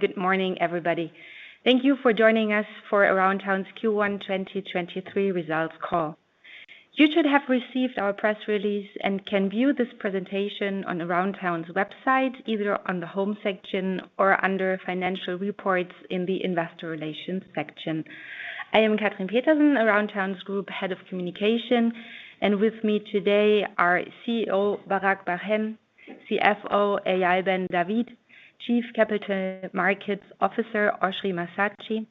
Good morning, everybody. Thank you for joining us for Aroundtown's Q1 2023 results call. You should have received our press release and can view this presentation on Aroundtown's website, either on the home section or under Financial Reports in the Investor Relations section. I am Katrin Petersen, Aroundtown's Group Head of Communication, and with me today are CEO, Barak Bar-Hen, CFO, Eyal Ben-David, Chief Capital Markets Officer, Oschrie Massatschi,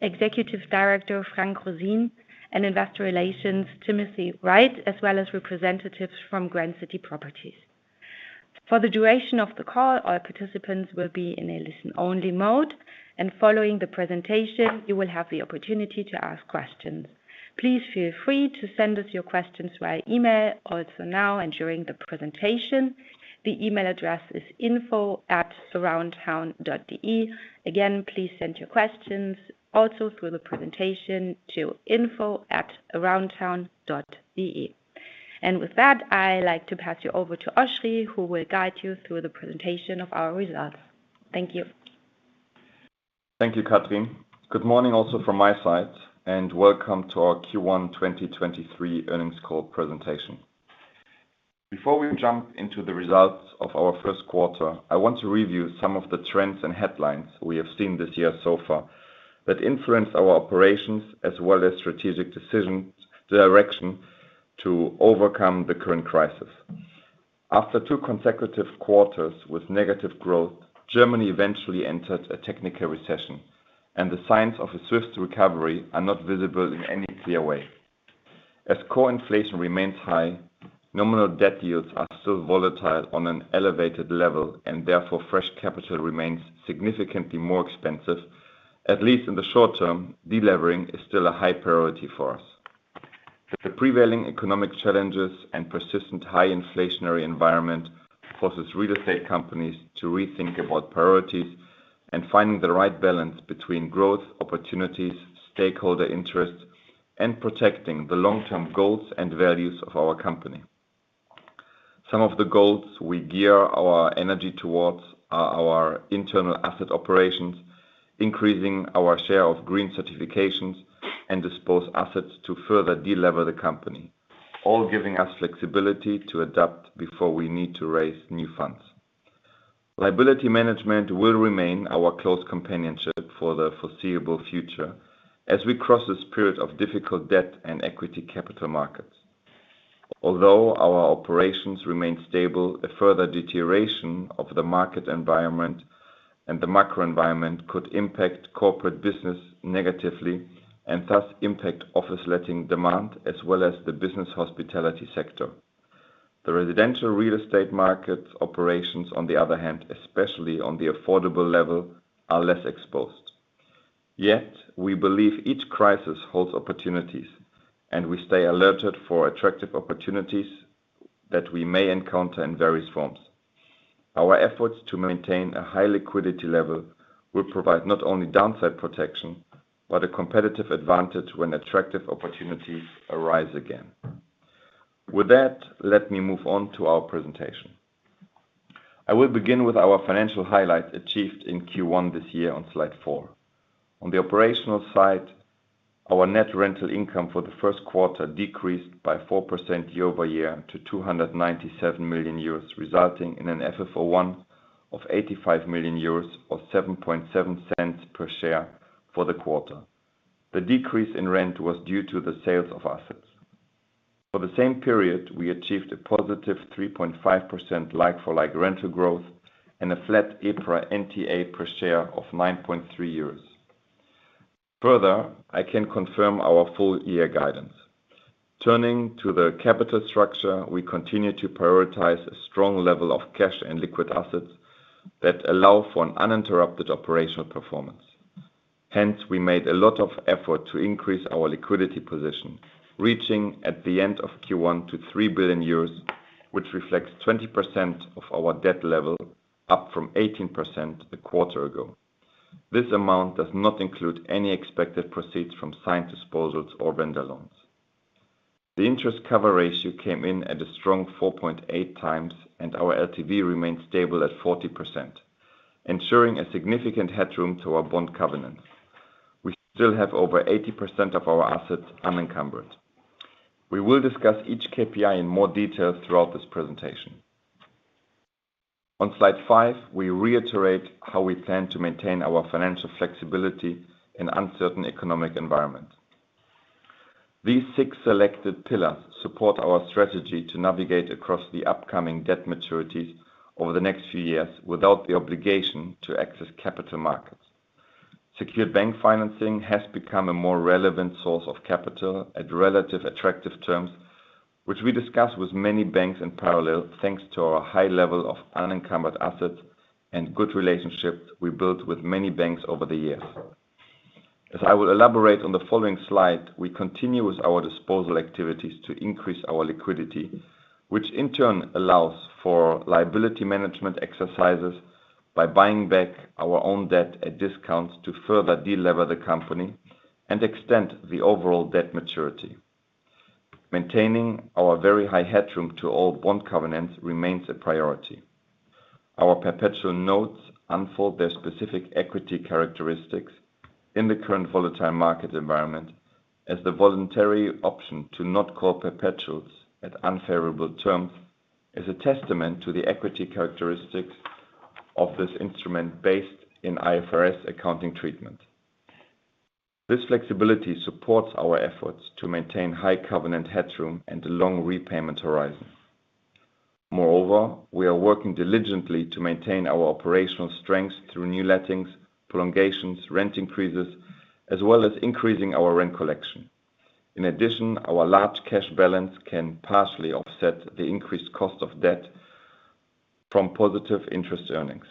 Executive Director, Frank Roseen, and Investor Relations, Timothy Wright, as well as representatives from Grand City Properties. For the duration of the call, all participants will be in a listen-only mode, and following the presentation, you will have the opportunity to ask questions. Please feel free to send us your questions via email, also now and during the presentation. The email address is info@aroundtown.de. Again, please send your questions also through the presentation to info@aroundtown.de. With that, I'd like to pass you over to Oschrie, who will guide you through the presentation of our results. Thank you. Thank you, Katrin. Good morning also from my side. Welcome to our Q1 2023 earnings call presentation. Before we jump into the results of our first quarter, I want to review some of the trends and headlines we have seen this year so far, that influence our operations as well as strategic decision, direction to overcome the current crisis. After two consecutive quarters with negative growth, Germany eventually entered a technical recession. The signs of a swift recovery are not visible in any clear way. As core inflation remains high, nominal debt yields are still volatile on an elevated level. Therefore, fresh capital remains significantly more expensive. At least in the short term, delevering is still a high priority for us. The prevailing economic challenges and persistent high inflationary environment forces real estate companies to rethink about priorities and finding the right balance between growth, opportunities, stakeholder interests, and protecting the long-term goals and values of our company. Some of the goals we gear our energy towards are our internal asset operations, increasing our share of green certifications, and dispose assets to further de-lever the company, all giving us flexibility to adapt before we need to raise new funds. Liability management will remain our close companionship for the foreseeable future as we cross this period of difficult debt and equity capital markets. Although our operations remain stable, a further deterioration of the market environment and the macro environment could impact corporate business negatively, and thus impact office letting demand, as well as the business hospitality sector. The residential real estate market operations, on the other hand, especially on the affordable level, are less exposed. Yet, we believe each crisis holds opportunities, and we stay alerted for attractive opportunities that we may encounter in various forms. Our efforts to maintain a high liquidity level will provide not only downside protection, but a competitive advantage when attractive opportunities arise again. With that, let me move on to our presentation. I will begin with our financial highlights achieved in Q1 this year on slide four. On the operational side, our net rental income for the first quarter decreased by 4% year-over-year to 297 million euros, resulting in an FFO I of 85 million euros or 7.07 per share for the quarter. The decrease in rent was due to the sales of assets. For the same period, we achieved a +3.5% like-for-like rental growth and a flat EPRA NTA per share of 9.3 euros. I can confirm our full year guidance. Turning to the capital structure, we continue to prioritize a strong level of cash and liquid assets that allow for an uninterrupted operational performance. We made a lot of effort to increase our liquidity position, reaching at the end of Q1 to 3 billion euros, which reflects 20% of our debt level, up from 18% a quarter ago. This amount does not include any expected proceeds from signed disposals or vendor loans. The interest cover ratio came in at a strong 4.8x, and our LTV remains stable at 40%, ensuring a significant headroom to our bond covenants. We still have over 80% of our assets unencumbered. We will discuss each KPI in more detail throughout this presentation. On slide five, we reiterate how we plan to maintain our financial flexibility in uncertain economic environment. These six selected pillars support our strategy to navigate across the upcoming debt maturities over the next few years, without the obligation to access capital markets. Secured bank financing has become a more relevant source of capital at relative attractive terms, which we discuss with many banks in parallel, thanks to our high level of unencumbered assets and good relationships we built with many banks over the years. As I will elaborate on the following slide, we continue with our disposal activities to increase our liquidity, which in turn allows for liability management exercises by buying back our own debt at discounts to further delever the company and extend the overall debt maturity. Maintaining our very high headroom to all bond covenants remains a priority. Our perpetual notes unfold their specific equity characteristics in the current volatile market environment, as the voluntary option to not call perpetuals at unfavorable terms is a testament to the equity characteristics of this instrument based in IFRS accounting treatment. This flexibility supports our efforts to maintain high covenant headroom and a long repayment horizon. Moreover, we are working diligently to maintain our operational strength through new lettings, prolongations, rent increases, as well as increasing our rent collection. In addition, our large cash balance can partially offset the increased cost of debt from positive interest earnings.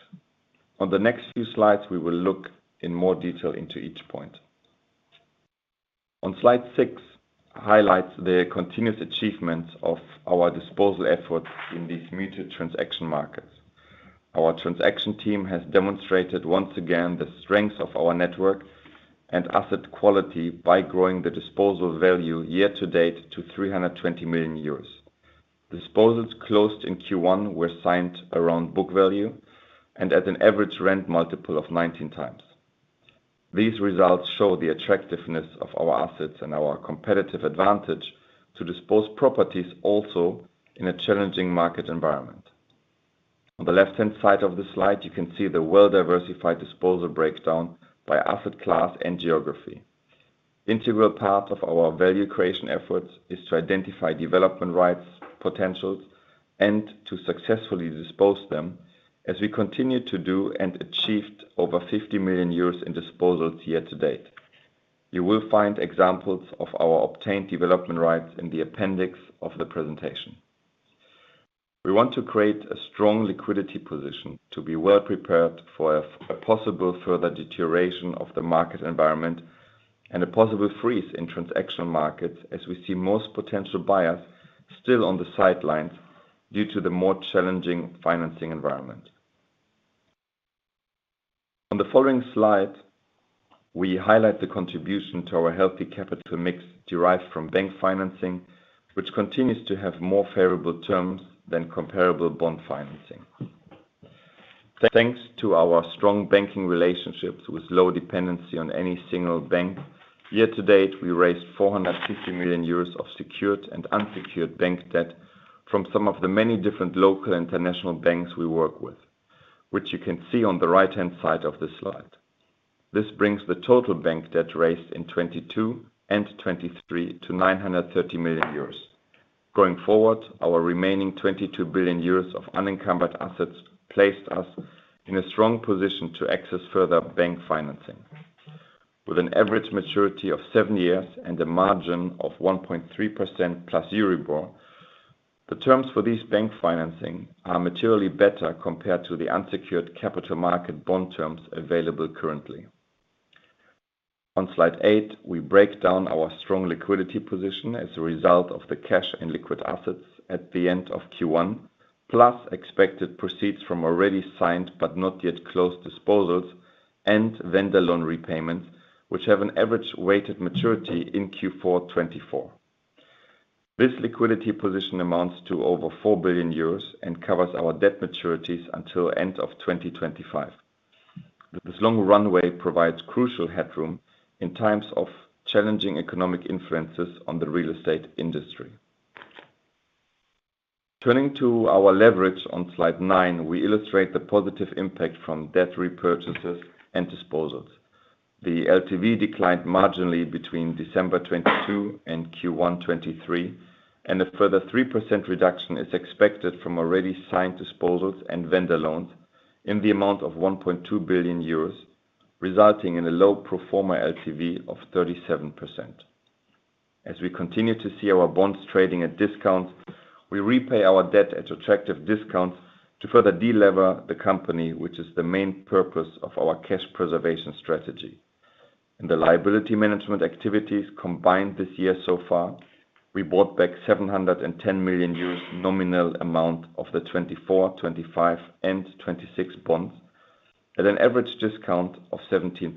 On the next few slides, we will look in more detail into each point. On slide six, highlights the continuous achievements of our disposal efforts in these muted transaction markets. Our transaction team has demonstrated once again the strength of our network and asset quality by growing the disposal value year-to-date to 320 million euros. Disposals closed in Q1 were signed around book value and at an average rent multiple of 19x. These results show the attractiveness of our assets and our competitive advantage to dispose properties also in a challenging market environment. On the left-hand side of the slide, you can see the well-diversified disposal breakdown by asset class and geography. Integral part of our value creation efforts is to identify development rights potentials and to successfully dispose them, as we continue to do and achieved over 50 million euros in disposals year-to-date. You will find examples of our obtained development rights in the appendix of the presentation. We want to create a strong liquidity position to be well prepared for a possible further deterioration of the market environment and a possible freeze in transaction markets, as we see most potential buyers still on the sidelines due to the more challenging financing environment. On the following slide, we highlight the contribution to our healthy capital mix derived from bank financing, which continues to have more favorable terms than comparable bond financing. Thanks to our strong banking relationships with low dependency on any single bank, year-to-date, we raised 450 million euros of secured and unsecured bank debt from some of the many different local international banks we work with, which you can see on the right-hand side of the slide. This brings the total bank debt raised in 2022 and 2023 to 930 million euros. Going forward, our remaining 22 billion euros of unencumbered assets placed us in a strong position to access further bank financing. With an average maturity of seven years and a margin of 1.3% plus Euribor, the terms for this bank financing are materially better compared to the unsecured capital market bond terms available currently. On slide eight, we break down our strong liquidity position as a result of the cash and liquid assets at the end of Q1, plus expected proceeds from already signed but not yet closed disposals and vendor loan repayments, which have an average weighted maturity in Q4 2024. This liquidity position amounts to over 4 billion euros and covers our debt maturities until end of 2025. This long runway provides crucial headroom in times of challenging economic influences on the real estate industry. Turning to our leverage on slide nine, we illustrate the positive impact from debt repurchases and disposals. The LTV declined marginally between December 2022 and Q1 2023. A further 3% reduction is expected from already signed disposals and vendor loans in the amount of 1.2 billion euros, resulting in a low pro forma LTV of 37%. As we continue to see our bonds trading at discounts, we repay our debt at attractive discounts to further de-lever the company, which is the main purpose of our cash preservation strategy. In the liability management activities combined this year so far, we bought back 710 million euros nominal amount of the 2024, 2025, and 2026 bonds at an average discount of 17%.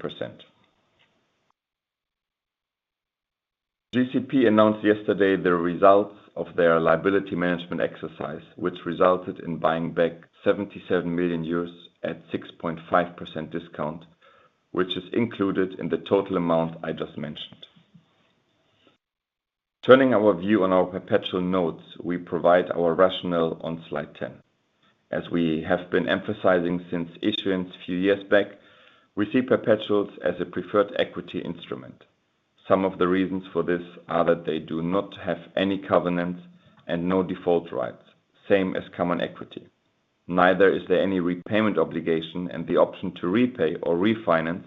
GCP announced yesterday the results of their liability management exercise, which resulted in buying back 77 million euros at 6.5% discount, which is included in the total amount I just mentioned. Turning our view on our perpetual notes, we provide our rationale on slide 10. As we have been emphasizing since issuance a few years back, we see perpetuals as a preferred equity instrument. Some of the reasons for this are that they do not have any covenants and no default rights, same as common equity. Neither is there any repayment obligation, and the option to repay or refinance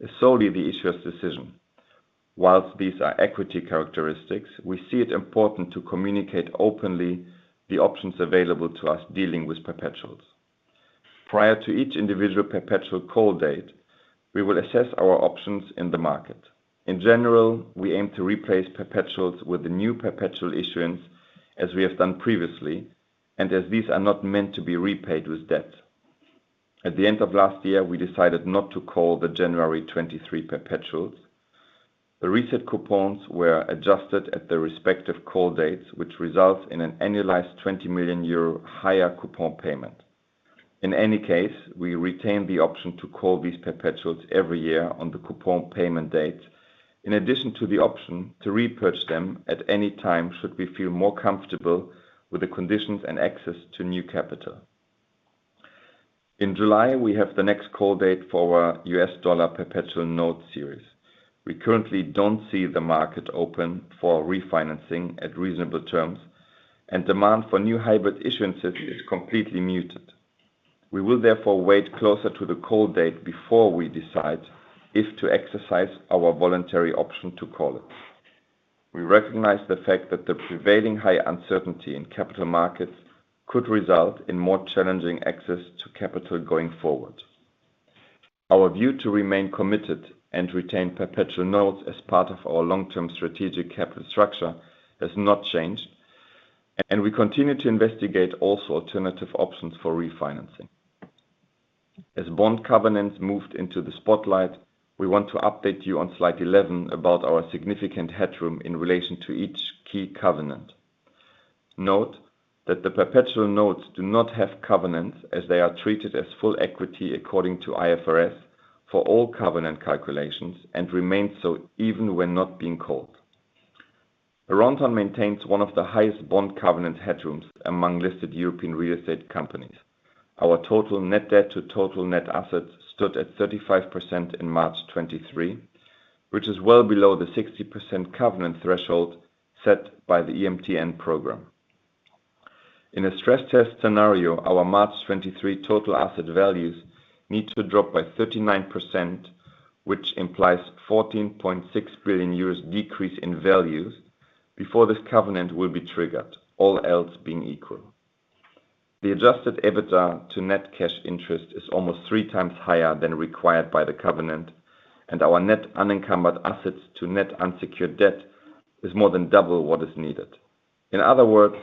is solely the issuer's decision. Whilst these are equity characteristics, we see it important to communicate openly the options available to us dealing with perpetuals. Prior to each individual perpetual call date, we will assess our options in the market. In general, we aim to replace perpetuals with the new perpetual issuance, as we have done previously, and as these are not meant to be repaid with debt. At the end of last year, we decided not to call the January 2023 perpetuals. The recent coupons were adjusted at the respective call dates, which results in an annualized 20 million euro higher coupon payment. In any case, we retain the option to call these perpetuals every year on the coupon payment date, in addition to the option to repurchase them at any time, should we feel more comfortable with the conditions and access to new capital. In July, we have the next call date for our US dollar perpetual note series. We currently don't see the market open for refinancing at reasonable terms. Demand for new hybrid issuances is completely muted. We will therefore wait closer to the call date before we decide if to exercise our voluntary option to call it. We recognize the fact that the prevailing high uncertainty in capital markets could result in more challenging access to capital going forward. Our view to remain committed and retain perpetual notes as part of our long-term strategic capital structure has not changed, and we continue to investigate also alternative options for refinancing. As bond covenants moved into the spotlight, we want to update you on slide 11 about our significant headroom in relation to each key covenant. Note that the perpetual notes do not have covenants, as they are treated as full equity according to IFRS for all covenant calculations, and remain so even when not being called. Aroundtown maintains one of the highest bond covenant headrooms among listed European real estate companies. Our total net debt to total net assets stood at 35% in March 2023, which is well below the 60% covenant threshold set by the EMTN program. In a stress test scenario, our March 2023 total asset values need to drop by 39%, which implies 14.6 billion euros decrease in values before this covenant will be triggered, all else being equal. The adjusted EBITDA to net cash interest is almost three times higher than required by the covenant, and our net unencumbered assets to net unsecured debt is more than double what is needed. In other words,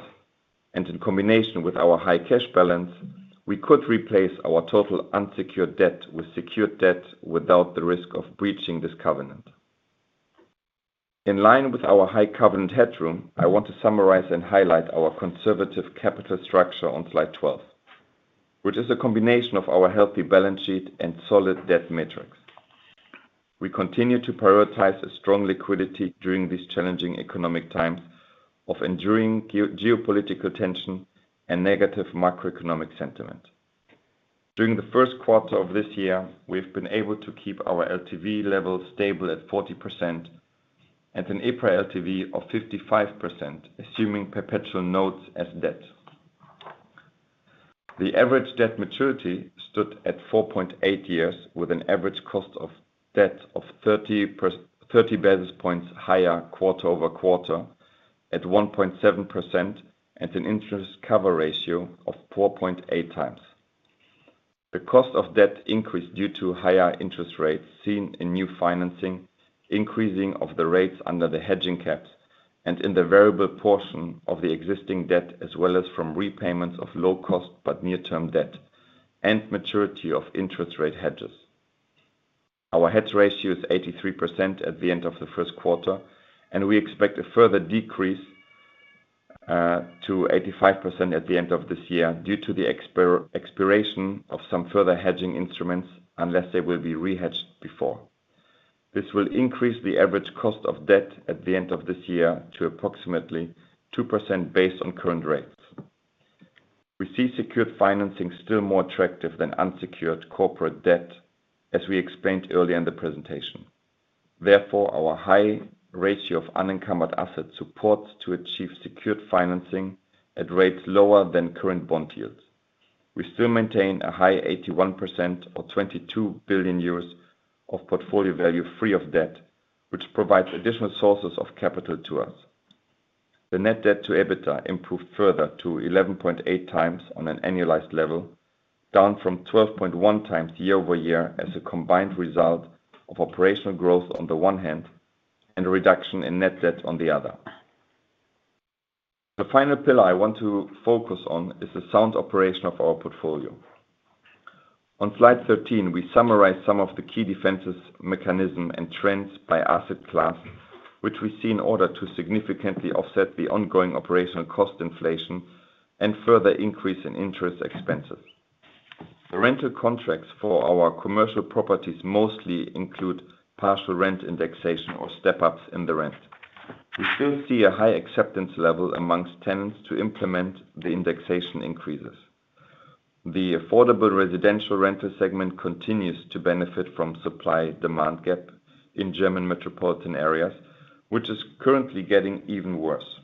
and in combination with our high cash balance, we could replace our total unsecured debt with secured debt without the risk of breaching this covenant. In line with our high covenant headroom, I want to summarize and highlight our conservative capital structure on slide 12, which is a combination of our healthy balance sheet and solid debt metrics. We continue to prioritize a strong liquidity during these challenging economic times of enduring geopolitical tension and negative macroeconomic sentiment. During the first quarter of this year, we've been able to keep our LTV level stable at 40% and an April LTV of 55%, assuming perpetual notes as debt. The average debt maturity stood at 4.8 years, with an average cost of debt of 30 basis points higher quarter-over-quarter at 1.7% and an interest cover ratio of 4.8x. The cost of debt increased due to higher interest rates seen in new financing, increasing of the rates under the hedging caps and in the variable portion of the existing debt, as well as from repayments of low cost, but near-term debt and maturity of interest rate hedges. Our hedge ratio is 83% at the end of the first quarter. We expect a further decrease to 85% at the end of this year, due to the expiration of some further hedging instruments, unless they will be re-hedged before. This will increase the average cost of debt at the end of this year to approximately 2% based on current rates. We see secured financing still more attractive than unsecured corporate debt, as we explained earlier in the presentation. Our high ratio of unencumbered assets supports to achieve secured financing at rates lower than current bond yields. We still maintain a high 81% or 22 billion euros of portfolio value, free of debt, which provides additional sources of capital to us. The net debt to EBITDA improved further to 11.8x on an annualized level, down from 12.1x year-over-year as a combined result of operational growth on the one hand, and a reduction in net debt on the other. The final pillar I want to focus on is the sound operation of our portfolio. On slide 13, we summarize some of the key defenses, mechanism, and trends by asset class, which we see in order to significantly offset the ongoing operational cost inflation and further increase in interest expenses. The rental contracts for our commercial properties mostly include partial rent indexation or step ups in the rent. We still see a high acceptance level amongst tenants to implement the indexation increases. The affordable residential rental segment continues to benefit from supply-demand gap in German metropolitan areas, which is currently getting even worse.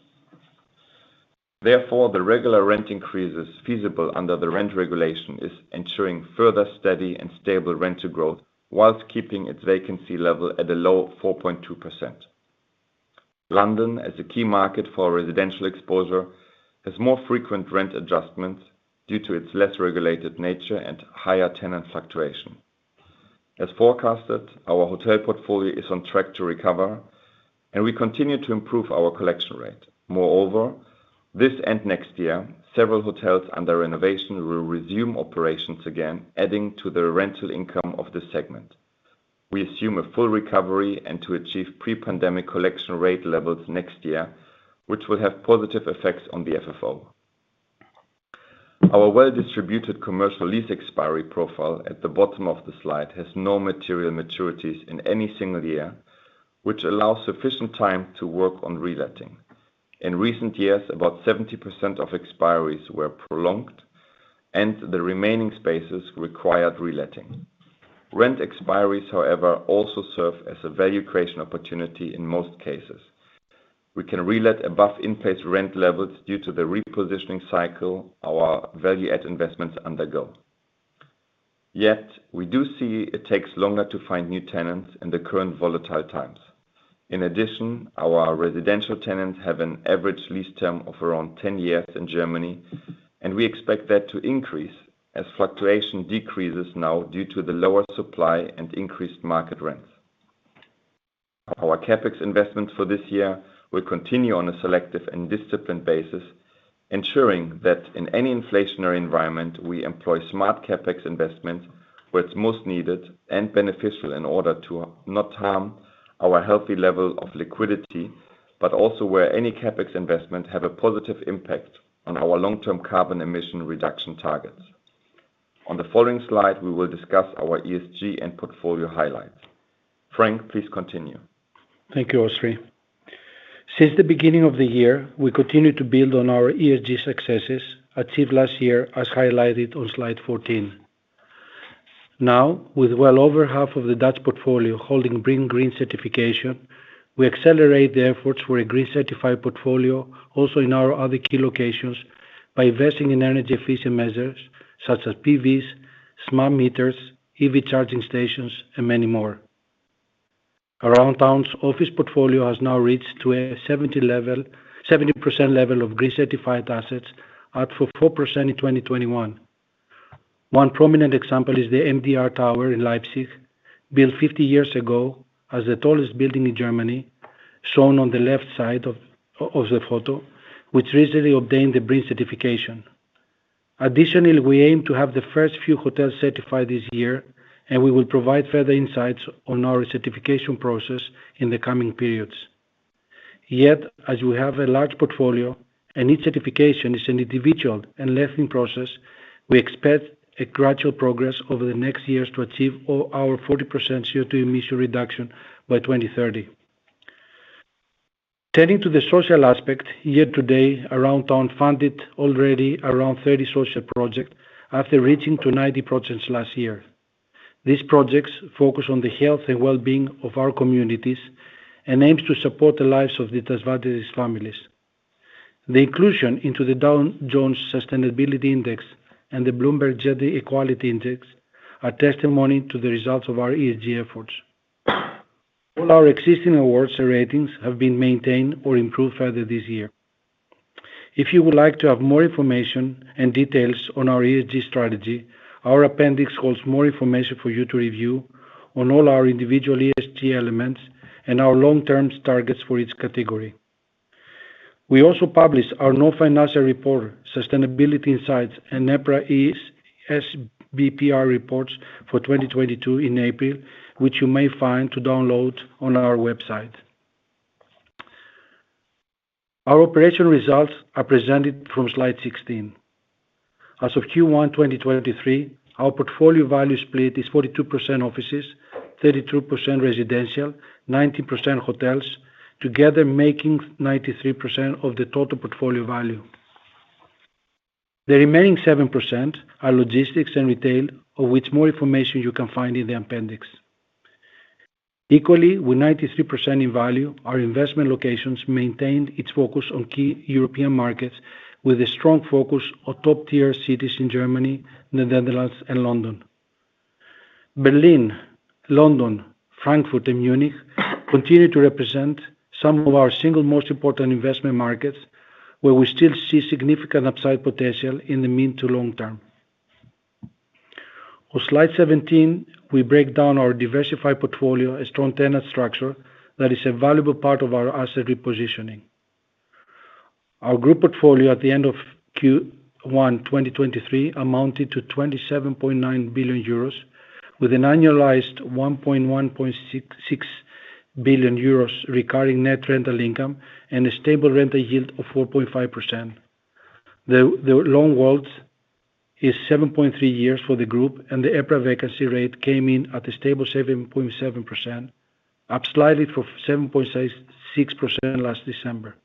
Therefore, the regular rent increases feasible under the rent regulation is ensuring further steady and stable rental growth, whilst keeping its vacancy level at a low 4.2%. London, as a key market for residential exposure, has more frequent rent adjustments due to its less regulated nature and higher tenant fluctuation. As forecasted, our hotel portfolio is on track to recover, and we continue to improve our collection rate. Moreover, this and next year, several hotels under renovation will resume operations again, adding to the rental income of this segment. We assume a full recovery and to achieve pre-pandemic collection rate levels next year, which will have positive effects on the FFO. Our well-distributed commercial lease expiry profile at the bottom of the slide, has no material maturities in any single year, which allows sufficient time to work on reletting. In recent years, about 70% of expiries were prolonged, and the remaining spaces required reletting. Rent expiries, however, also serve as a value creation opportunity in most cases. We can relet above in-place rent levels due to the repositioning cycle our value add investments undergo. Yet, we do see it takes longer to find new tenants in the current volatile times. In addition, our residential tenants have an average lease term of around 10 years in Germany, and we expect that to increase as fluctuation decreases now due to the lower supply and increased market rents. Our CapEx investments for this year will continue on a selective and disciplined basis, ensuring that in any inflationary environment, we employ smart CapEx investments where it's most needed and beneficial in order to not harm our healthy level of liquidity, but also where any CapEx investment have a positive impact on our long-term carbon emission reduction targets. On the following slide, we will discuss our ESG and portfolio highlights. Frank, please continue. Thank you, Oschrie. Since the beginning of the year, we continued to build on our ESG successes achieved last year, as highlighted on slide 14. Now, with well over half of the Dutch portfolio holding BREEAM green certification, we accelerate the efforts for a green-certified portfolio also in our other key locations by investing in energy-efficient measures such as PVs, smart meters, EV charging stations, and many more. Aroundtown's office portfolio has now reached to a 70 level, 70% level of BREEAM-certified assets, up from 4% in 2021. One prominent example is the MDR Tower in Leipzig, built 50 years ago as the tallest building in Germany, shown on the left side of the photo, which recently obtained the BREEAM certification. We aim to have the first few hotels certified this year, and we will provide further insights on our certification process in the coming periods. As we have a large portfolio and each certification is an individual and lengthy process, we expect a gradual progress over the next years to achieve all our 40% CO2 emission reduction by 2030. Turning to the social aspect, year-to-date, Aroundtown funded already around 30 social project after reaching to 90 projects last year. These projects focus on the health and well-being of our communities and aims to support the lives of disadvantaged families. The inclusion into the Dow Jones Sustainability Indices and the Bloomberg Gender-Equality Index are testimony to the results of our ESG efforts. All our existing awards and ratings have been maintained or improved further this year. If you would like to have more information and details on our ESG strategy, our appendix holds more information for you to review on all our individual ESG elements and our long-term targets for each category. We also published our non-financial report, Sustainability insights, and EPRA sBPR reports for 2022 in April, which you may find to download on our website. Our operational results are presented from slide 16. As of Q1, 2023, our portfolio value split is 42% offices, 32% residential, 19% hotels, together making 93% of the total portfolio value. The remaining 7% are logistics and retail, of which more information you can find in the appendix. Equally, with 93% in value, our investment locations maintained its focus on key European markets with a strong focus on top-tier cities in Germany, the Netherlands, and London. Berlin, London, Frankfurt, and Munich continue to represent some of our single most important investment markets, where we still see significant upside potential in the mid-to-long term. On slide 17, we break down our diversified portfolio, a strong tenant structure that is a valuable part of our asset repositioning. Our group portfolio at the end of Q1 2023 amounted to 27.9 billion euros, with an annualized [1.66] billion recurring net rental income, and a stable rental yield of 4.5%. The long WALT is 7.3 years for the group, and the EPRA vacancy rate came in at a stable 7.7%, up slightly from 7.6% last December.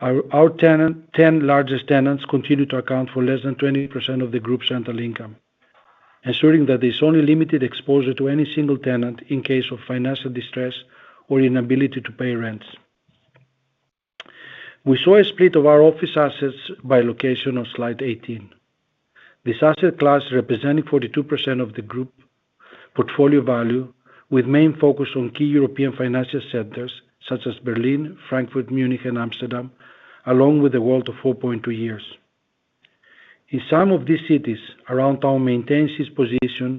Our 10 largest tenants continue to account for less than 20% of the group's rental income, ensuring that there's only limited exposure to any single tenant in case of financial distress or inability to pay rents. We saw a split of our office assets by location on slide 18. This asset class, representing 42% of the group portfolio value, with main focus on key European financial centers such as Berlin, Frankfurt, Munich, and Amsterdam, along with the WALT of 4.2 years. In some of these cities, Aroundtown maintains its position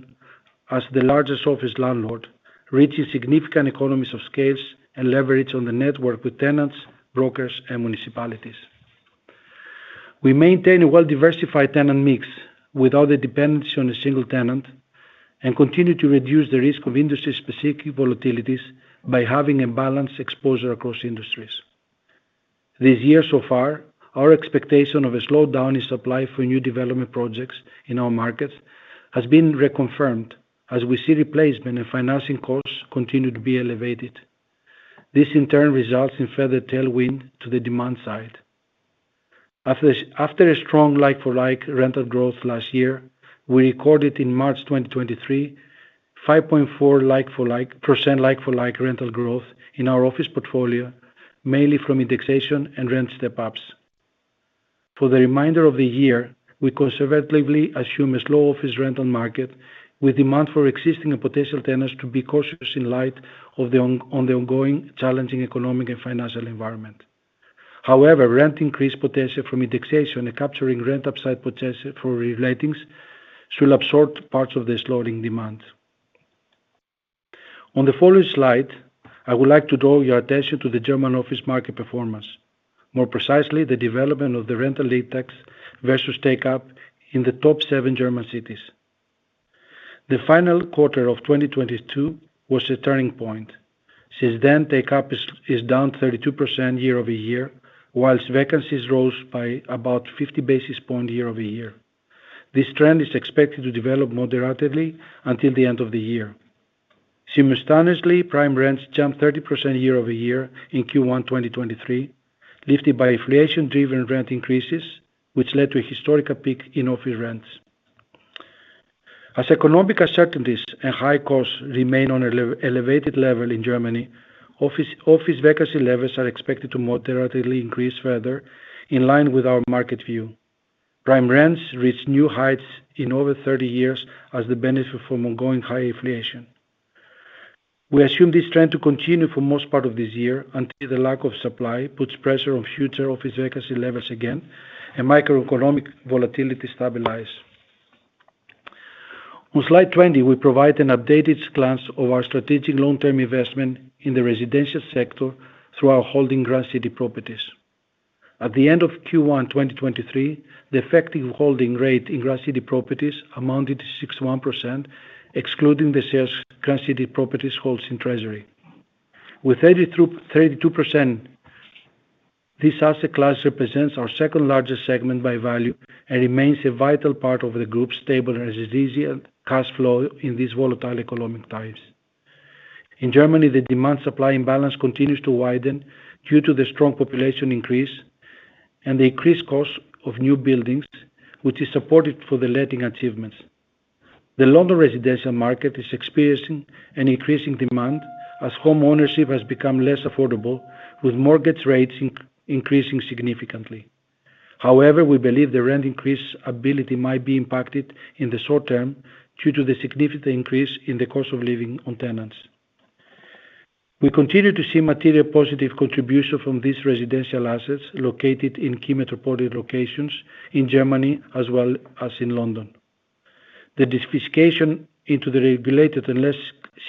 as the largest office landlord, reaching significant economies of scales and leverage on the network with tenants, brokers, and municipalities. We maintain a well-diversified tenant mix without a dependency on a single tenant, continue to reduce the risk of industry-specific volatilities by having a balanced exposure across industries. This year so far, our expectation of a slowdown in supply for new development projects in our markets has been reconfirmed, as we see replacement and financing costs continue to be elevated. This, in turn, results in further tailwind to the demand side. After a strong like-for-like rental growth last year, we recorded in March 2023, 5.4% like-for-like rental growth in our office portfolio, mainly from indexation and rent step-ups. For the remainder of the year, we conservatively assume a slow office rental market, with demand for existing and potential tenants to be cautious in light of the ongoing challenging economic and financial environment. However, rent increase potential from indexation and capturing rent upside potential for relatings should absorb parts of the slowing demand. On the following slide, I would like to draw your attention to the German office market performance. More precisely, the development of the rentaling tax versus take up in the top seven German cities. The final quarter of 2022 was a turning point. Since then, take up is down 32% year-over-year, while vacancies rose by about 50 basis point year-over-year. This trend is expected to develop moderately until the end of the year. Simultaneously, prime rents jumped 30% year-over-year in Q1 2023, lifted by inflation-driven rent increases, which led to a historical peak in office rents. As economic uncertainties and high costs remain on a elevated level in Germany, office vacancy levels are expected to moderately increase further, in line with our market view. Prime rents reach new heights in over 30 years as the benefit from ongoing high inflation. We assume this trend to continue for most part of this year until the lack of supply puts pressure on future office vacancy levels again and macroeconomic volatility stabilize. On slide 20, we provide an updated glance of our strategic long-term investment in the residential sector through our holding Grand City Properties. At the end of Q1, 2023, the effective holding rate in Grand City Properties amounted to 61%, excluding the sales Grand City Properties holds in treasury. With 32%, this asset class represents our second-largest segment by value and remains a vital part of the group's stable and easy cash flow in these volatile economic times. In Germany, the demand-supply imbalance continues to widen due to the strong population increase and the increased cost of new buildings, which is supported for the letting achievements. The London residential market is experiencing an increasing demand as homeownership has become less affordable, with mortgage rates increasing significantly. However, we believe the rent increase ability might be impacted in the short term due to the significant increase in the cost of living on tenants. We continue to see material positive contribution from these residential assets located in key metropolitan locations in Germany as well as in London. The diversification into the regulated and less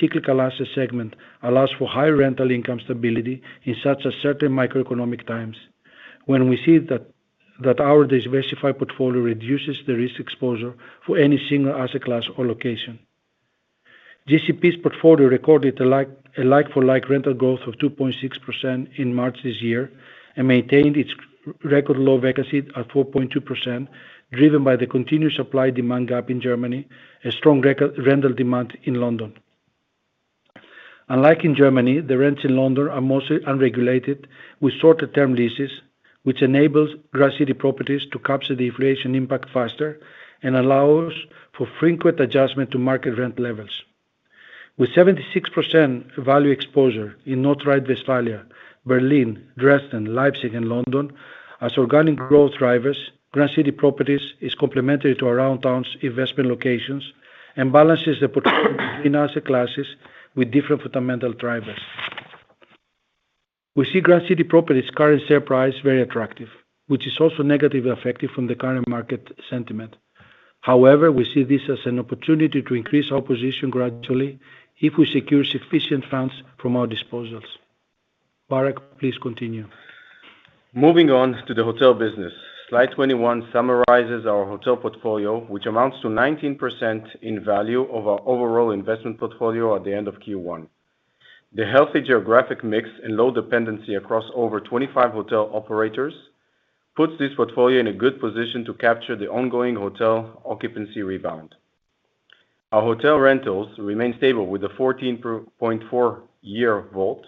cyclical asset segment allows for high rental income stability in such uncertain macroeconomic times. When we see that our diversified portfolio reduces the risk exposure for any single asset class or location. GCP's portfolio recorded a like-for-like rental growth of 2.6% in March this year and maintained its record low vacancy at 4.2%, driven by the continued supply-demand gap in Germany, a strong record rental demand in London. Unlike in Germany, the rents in London are mostly unregulated, with shorter-term leases, which enables Grand City Properties to capture the inflation impact faster and allows for frequent adjustment to market rent levels. With 76% value exposure in North Rhine-Westphalia, Berlin, Dresden, Leipzig, and London, as organic growth drivers, Grand City Properties is complementary to Aroundtown's investment locations and balances the potential in asset classes with different fundamental drivers. We see Grand City Properties' current share price very attractive, which is also negatively affected from the current market sentiment. However, we see this as an opportunity to increase our position gradually if we secure sufficient funds from our disposals. Barak, please continue. Moving on to the hotel business. Slide 21 summarizes our hotel portfolio, which amounts to 19% in value of our overall investment portfolio at the end of Q1. The healthy geographic mix and low dependency across over 25 hotel operators, puts this portfolio in a good position to capture the ongoing hotel occupancy rebound. Our hotel rentals remain stable, with a 14.4 year WALT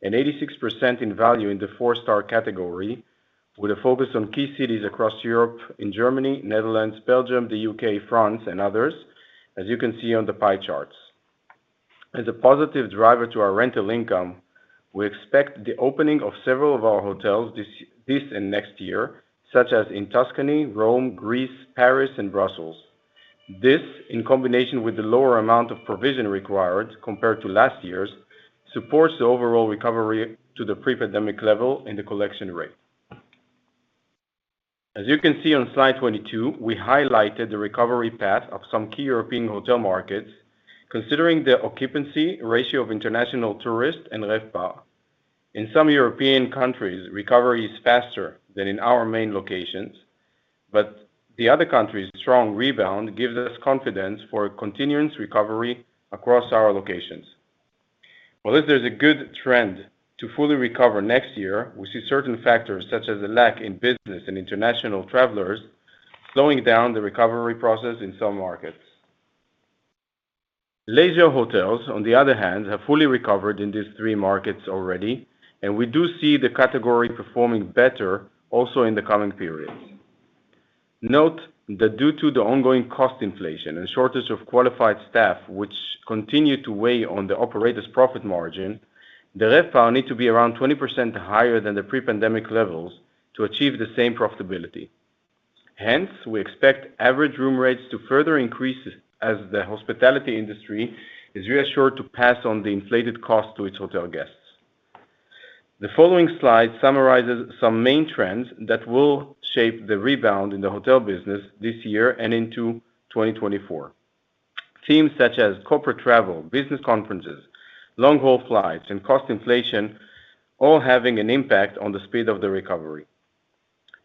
and 86% in value in the four-star category, with a focus on key cities across Europe, in Germany, Netherlands, Belgium, the U.K., France, and others, as you can see on the pie charts. As a positive driver to our rental income, we expect the opening of several of our hotels this and next year, such as in Tuscany, Rome, Greece, Paris, and Brussels. This, in combination with the lower amount of provision required compared to last year's, supports the overall recovery to the pre-pandemic level and the collection rate. As you can see on slide 22, we highlighted the recovery path of some key European hotel markets, considering the occupancy ratio of international tourists and RevPAR. In some European countries, recovery is faster than in our main locations, but the other countries' strong rebound gives us confidence for a continuous recovery across our locations. Well, if there's a good trend to fully recover next year, we see certain factors, such as the lack in business and international travelers, slowing down the recovery process in some markets. Leisure hotels, on the other hand, have fully recovered in these three markets already, and we do see the category performing better also in the coming periods. Note that due to the ongoing cost inflation and shortage of qualified staff, which continue to weigh on the operator's profit margin, the RevPAR need to be around 20% higher than the pre-pandemic levels to achieve the same profitability. We expect average room rates to further increase as the hospitality industry is reassured to pass on the inflated cost to its hotel guests. The following slide summarizes some main trends that will shape the rebound in the hotel business this year and into 2024. Themes such as corporate travel, business conferences, long-haul flights, and cost inflation, all having an impact on the speed of the recovery.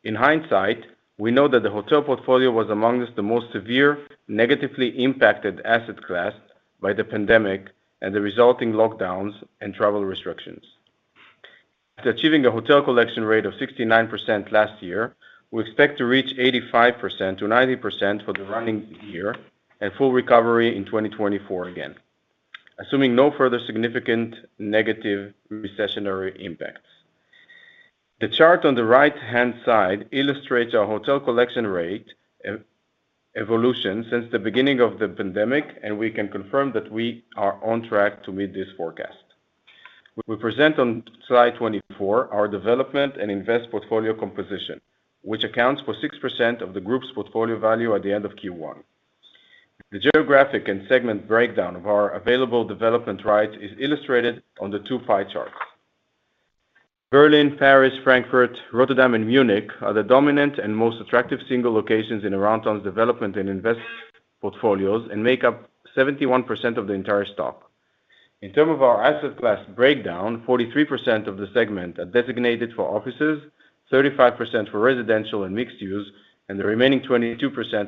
In hindsight, we know that the hotel portfolio was among the most severe, negatively impacted asset class by the pandemic, and the resulting lockdowns, and travel restrictions. After achieving a hotel collection rate of 69% last year, we expect to reach 85%-90% for the running year and full recovery in 2024 again, assuming no further significant negative recessionary impacts. The chart on the right-hand side illustrates our hotel collection rate, evolution since the beginning of the pandemic, and we can confirm that we are on track to meet this forecast. We present on slide 24 our development and invest portfolio composition, which accounts for 6% of the group's portfolio value at the end of Q1. The geographic and segment breakdown of our available development rights is illustrated on the two pie charts. Berlin, Paris, Frankfurt, Rotterdam, and Munich are the dominant and most attractive single locations in Aroundtown's development and investment portfolios, and make up 71% of the entire stock. In terms of our asset class breakdown, 43% of the segment are designated for offices, 35% for residential and mixed use, and the remaining 22%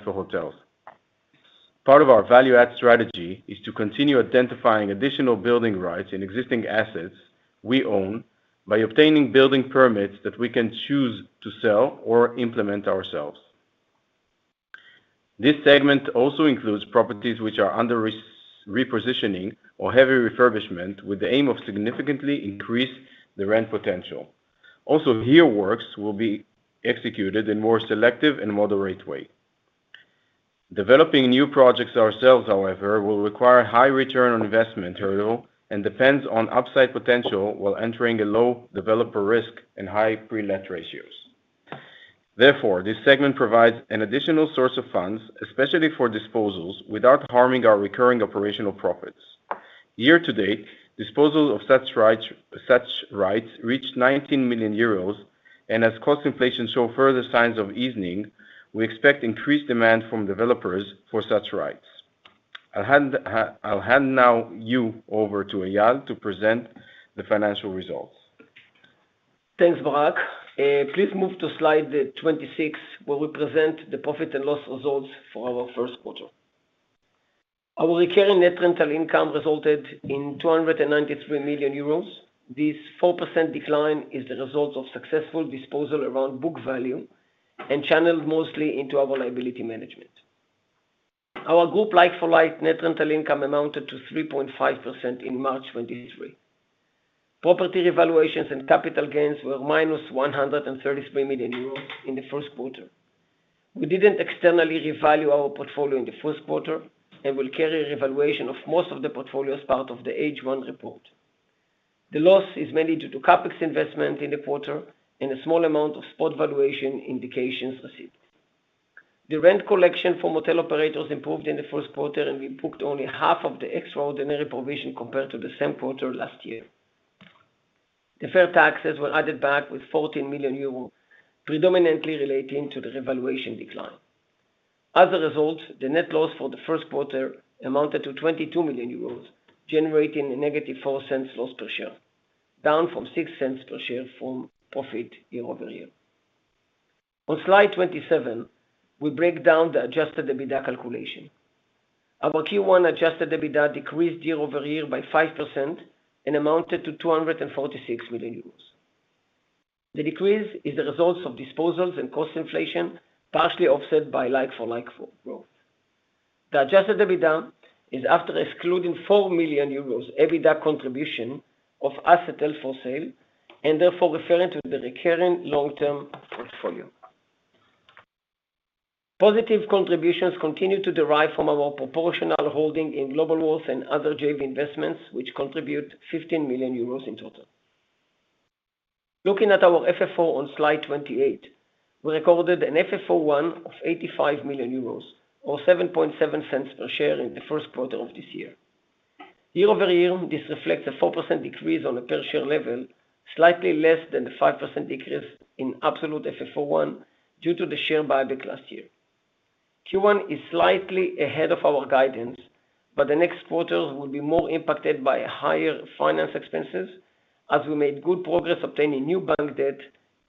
for hotels. Part of our value-add strategy is to continue identifying additional building rights in existing assets we own by obtaining building permits that we can choose to sell or implement ourselves. This segment also includes properties which are under repositioning or heavy refurbishment, with the aim of significantly increase the rent potential. Here, works will be executed in more selective and moderate way. Developing new projects ourselves, however, will require high return on investment material and depends on upside potential while entering a low developer risk and high pre-let ratios. This segment provides an additional source of funds, especially for disposals, without harming our recurring operational profits. Year-to-date, disposal of such rights reached 19 million euros. As cost inflation show further signs of evening, we expect increased demand from developers for such rights. I'll hand now you over to Eyal to present the financial results. Thanks, Barak. Please move to slide 26, where we present the profit and loss results for our first quarter. Our recurring net rental income resulted in 293 million euros. This 4% decline is the result of successful disposal around book value and channeled mostly into our liability management. Our group like-for-like net rental income amounted to 3.5% in March 2023. Property evaluations and capital gains were -133 million euros in the first quarter. We didn't externally revalue our portfolio in the first quarter and will carry a revaluation of most of the portfolio as part of the H1 report. The loss is mainly due to CapEx investment in the quarter and a small amount of spot valuation indications received. The rent collection for motel operators improved in the first quarter, and we booked only half of the extraordinary provision compared to the same quarter last year. The fair taxes were added back with 14 million euros, predominantly relating to the revaluation decline. As a result, the net loss for the first quarter amounted to 22 million euros, generating a -0.04 loss per share, down from 0.06 per share from profit year-over-year. On slide 27, we break down the adjusted EBITDA calculation. Our Q1 adjusted EBITDA decreased year-over-year by 5% and amounted to 246 million euros. The decrease is the result of disposals and cost inflation, partially offset by like-for-like growth. The adjusted EBITDA is after excluding 4 million euros, EBITDA contribution of asset held for sale, and therefore referring to the recurring long-term portfolio. Positive contributions continue to derive from our proportional holding in Globalworth and other JV investments, which contribute 15 million euros in total. Looking at our FFO on slide 28, we recorded an FFO I of 85 million euros, or 0.07 per share in the first quarter of this year. Year-over-year, this reflects a 4% decrease on a per share level, slightly less than the 5% decrease in absolute FFO I due to the share buyback last year. Q1 is slightly ahead of our guidance, but the next quarter will be more impacted by higher finance expenses as we made good progress obtaining new bank debt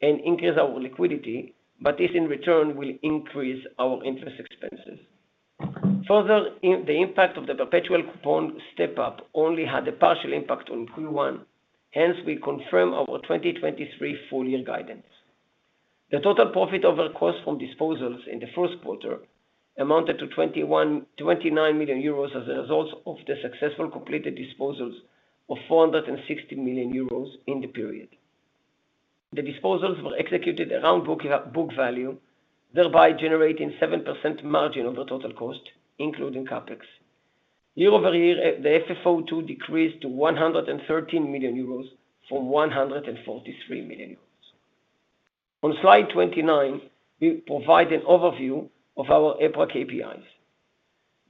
and increase our liquidity, but this in return, will increase our interest expenses. Further, the impact of the perpetual coupon step up only had a partial impact on Q1, hence, we confirm our 2023 full year guidance. The total profit over cost from disposals in the first quarter amounted to 29 million euros as a result of the successful completed disposals of 460 million euros in the period. The disposals were executed around book value, thereby generating 7% margin over total cost, including CapEx. Year-over-year, the FFO II decreased to 113 million euros from 143 million euros. On slide 29, we provide an overview of our EPRA KPIs.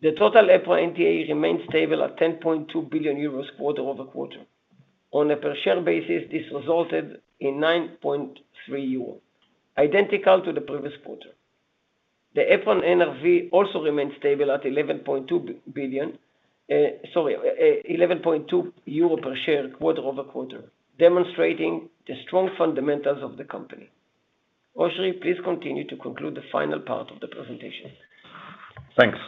The total EPRA NTA remains stable at 10.2 billion euros quarter-over-quarter. On a per share basis, this resulted in 9.3 euros, identical to the previous quarter. The EPRA NRV also remains stable at 11.2 per share, quarter-over-quarter, demonstrating the strong fundamentals of the company. Oschrie, please continue to conclude the final part of the presentation. Thanks.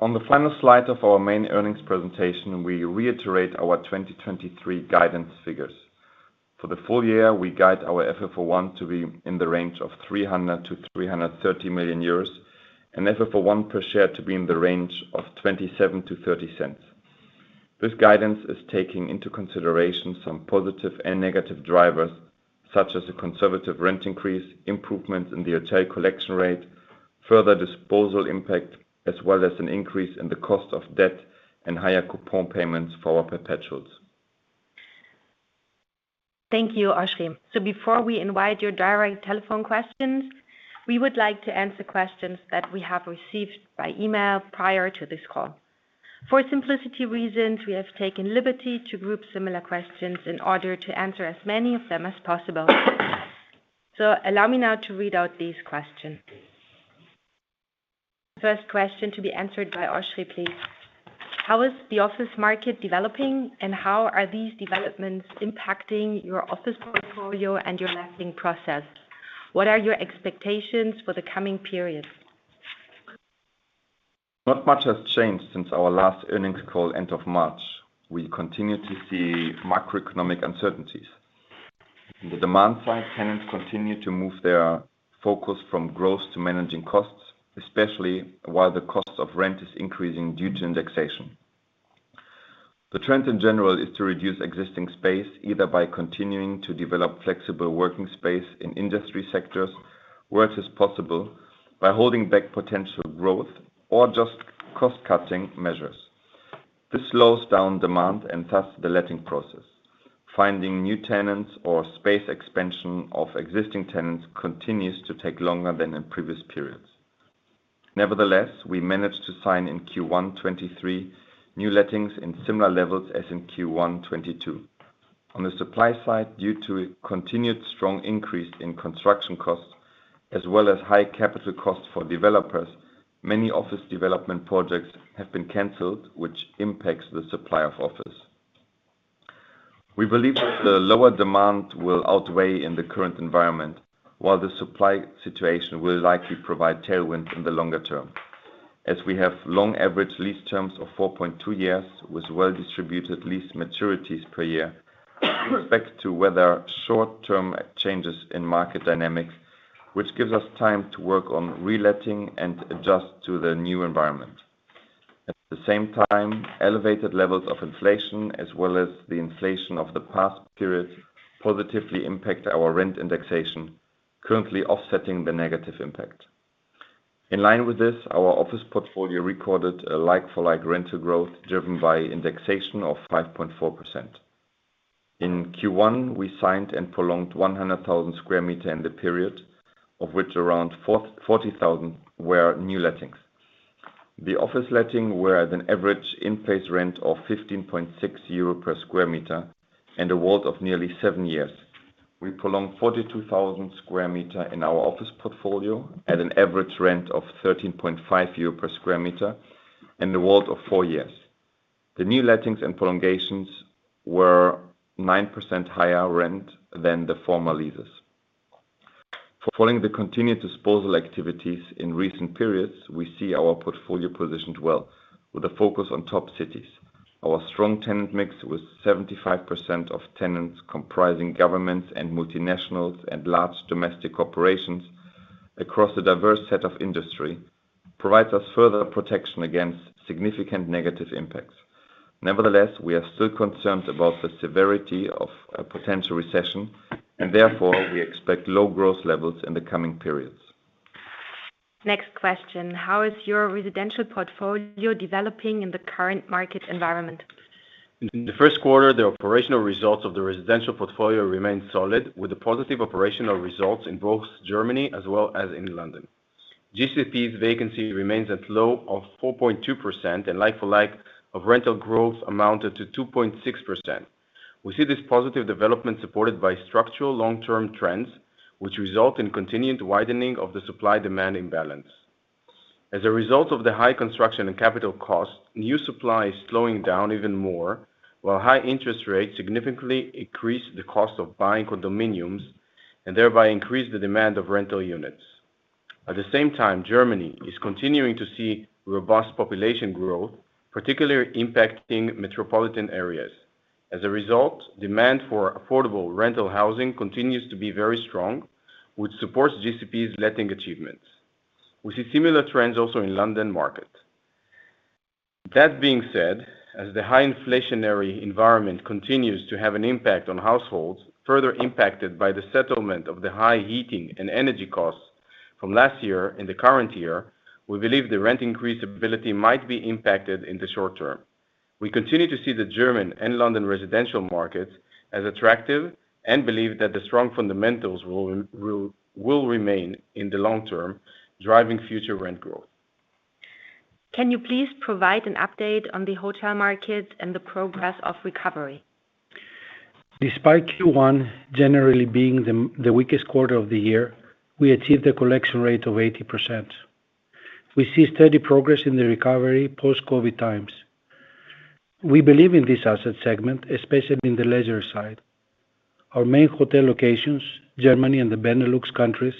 On the final slide of our main earnings presentation, we reiterate our 2023 guidance figures. For the full year, we guide our FFO I to be in the range of 300 million-330 million euros, and FFO I per share to be in the range of 0.27-0.30. This guidance is taking into consideration some positive and negative drivers, such as a conservative rent increase, improvements in the hotel collection rate, further disposal impact, as well as an increase in the cost of debt and higher coupon payments for our perpetuals. Thank you, Oschrie. Before we invite your direct telephone questions, we would like to answer questions that we have received by email prior to this call. For simplicity reasons, we have taken liberty to group similar questions in order to answer as many of them as possible. Allow me now to read out these questions. First question to be answered by Oschrie, please. How is the office market developing, and how are these developments impacting your office portfolio and your marketing process? What are your expectations for the coming period? Not much has changed since our last earnings call, end of March. We continue to see macroeconomic uncertainties. In the demand side, tenants continue to move their focus from growth to managing costs, especially while the cost of rent is increasing due to indexation. The trend in general is to reduce existing space, either by continuing to develop flexible working space in industry sectors, where it is possible, by holding back potential growth or just cost-cutting measures. This slows down demand and thus the letting process. Finding new tenants or space expansion of existing tenants continues to take longer than in previous periods. Nevertheless, we managed to sign in Q1 2023, new lettings in similar levels as in Q1 2022. On the supply side, due to a continued strong increase in construction costs, as well as high capital costs for developers, many office development projects have been canceled, which impacts the supply of office. We believe that the lower demand will outweigh in the current environment, while the supply situation will likely provide tailwind in the longer term. As we have long average lease terms of 4.2 years, with well-distributed lease maturities per year, expect to weather short-term changes in market dynamics, which gives us time to work on reletting and adjust to the new environment. At the same time, elevated levels of inflation, as well as the inflation of the past period, positively impact our rent indexation, currently offsetting the negative impact. In line with this, our office portfolio recorded a like-for-like rental growth, driven by indexation of 5.4%. In Q1, we signed and prolonged 100,000 sq m in the period, of which around 40,000 were new lettings. The office letting were at an average in-place rent of 15.6 euro per square meter and a WALT of nearly seven years. We prolonged 42,000 sq m in our office portfolio at an average rent of 13.5 euro per square meter and a WALT of four years. The new lettings and prolongations were 9% higher rent than the former leases. Following the continued disposal activities in recent periods, we see our portfolio positioned well, with a focus on top cities. Our strong tenant mix, with 75% of tenants comprising governments and multinationals and large domestic corporations across a diverse set of industry, provides us further protection against significant negative impacts. Nevertheless, we are still concerned about the severity of a potential recession, and therefore, we expect low growth levels in the coming periods. Next question. How is your residential portfolio developing in the current market environment? In the first quarter, the operational results of the residential portfolio remained solid, with the positive operational results in both Germany as well as in London. GCP's vacancy remains at low of 4.2%, and like-for-like of rental growth amounted to 2.6%. We see this positive development supported by structural long-term trends, which result in continued widening of the supply-demand imbalance. As a result of the high construction and capital costs, new supply is slowing down even more, while high interest rates significantly increase the cost of buying condominiums and thereby increase the demand of rental units. At the same time, Germany is continuing to see robust population growth, particularly impacting metropolitan areas. As a result, demand for affordable rental housing continues to be very strong, which supports GCP's letting achievements. We see similar trends also in London market. That being said, as the high inflationary environment continues to have an impact on households, further impacted by the settlement of the high heating and energy costs from last year and the current year, we believe the rent increase ability might be impacted in the short term. We continue to see the German and London residential markets as attractive, believe that the strong fundamentals will remain in the long term, driving future rent growth. Can you please provide an update on the hotel market and the progress of recovery? Despite Q1 generally being the weakest quarter of the year, we achieved a collection rate of 80%. We see steady progress in the recovery post-COVID times. We believe in this asset segment, especially in the leisure side. Our main hotel locations, Germany and the Benelux countries,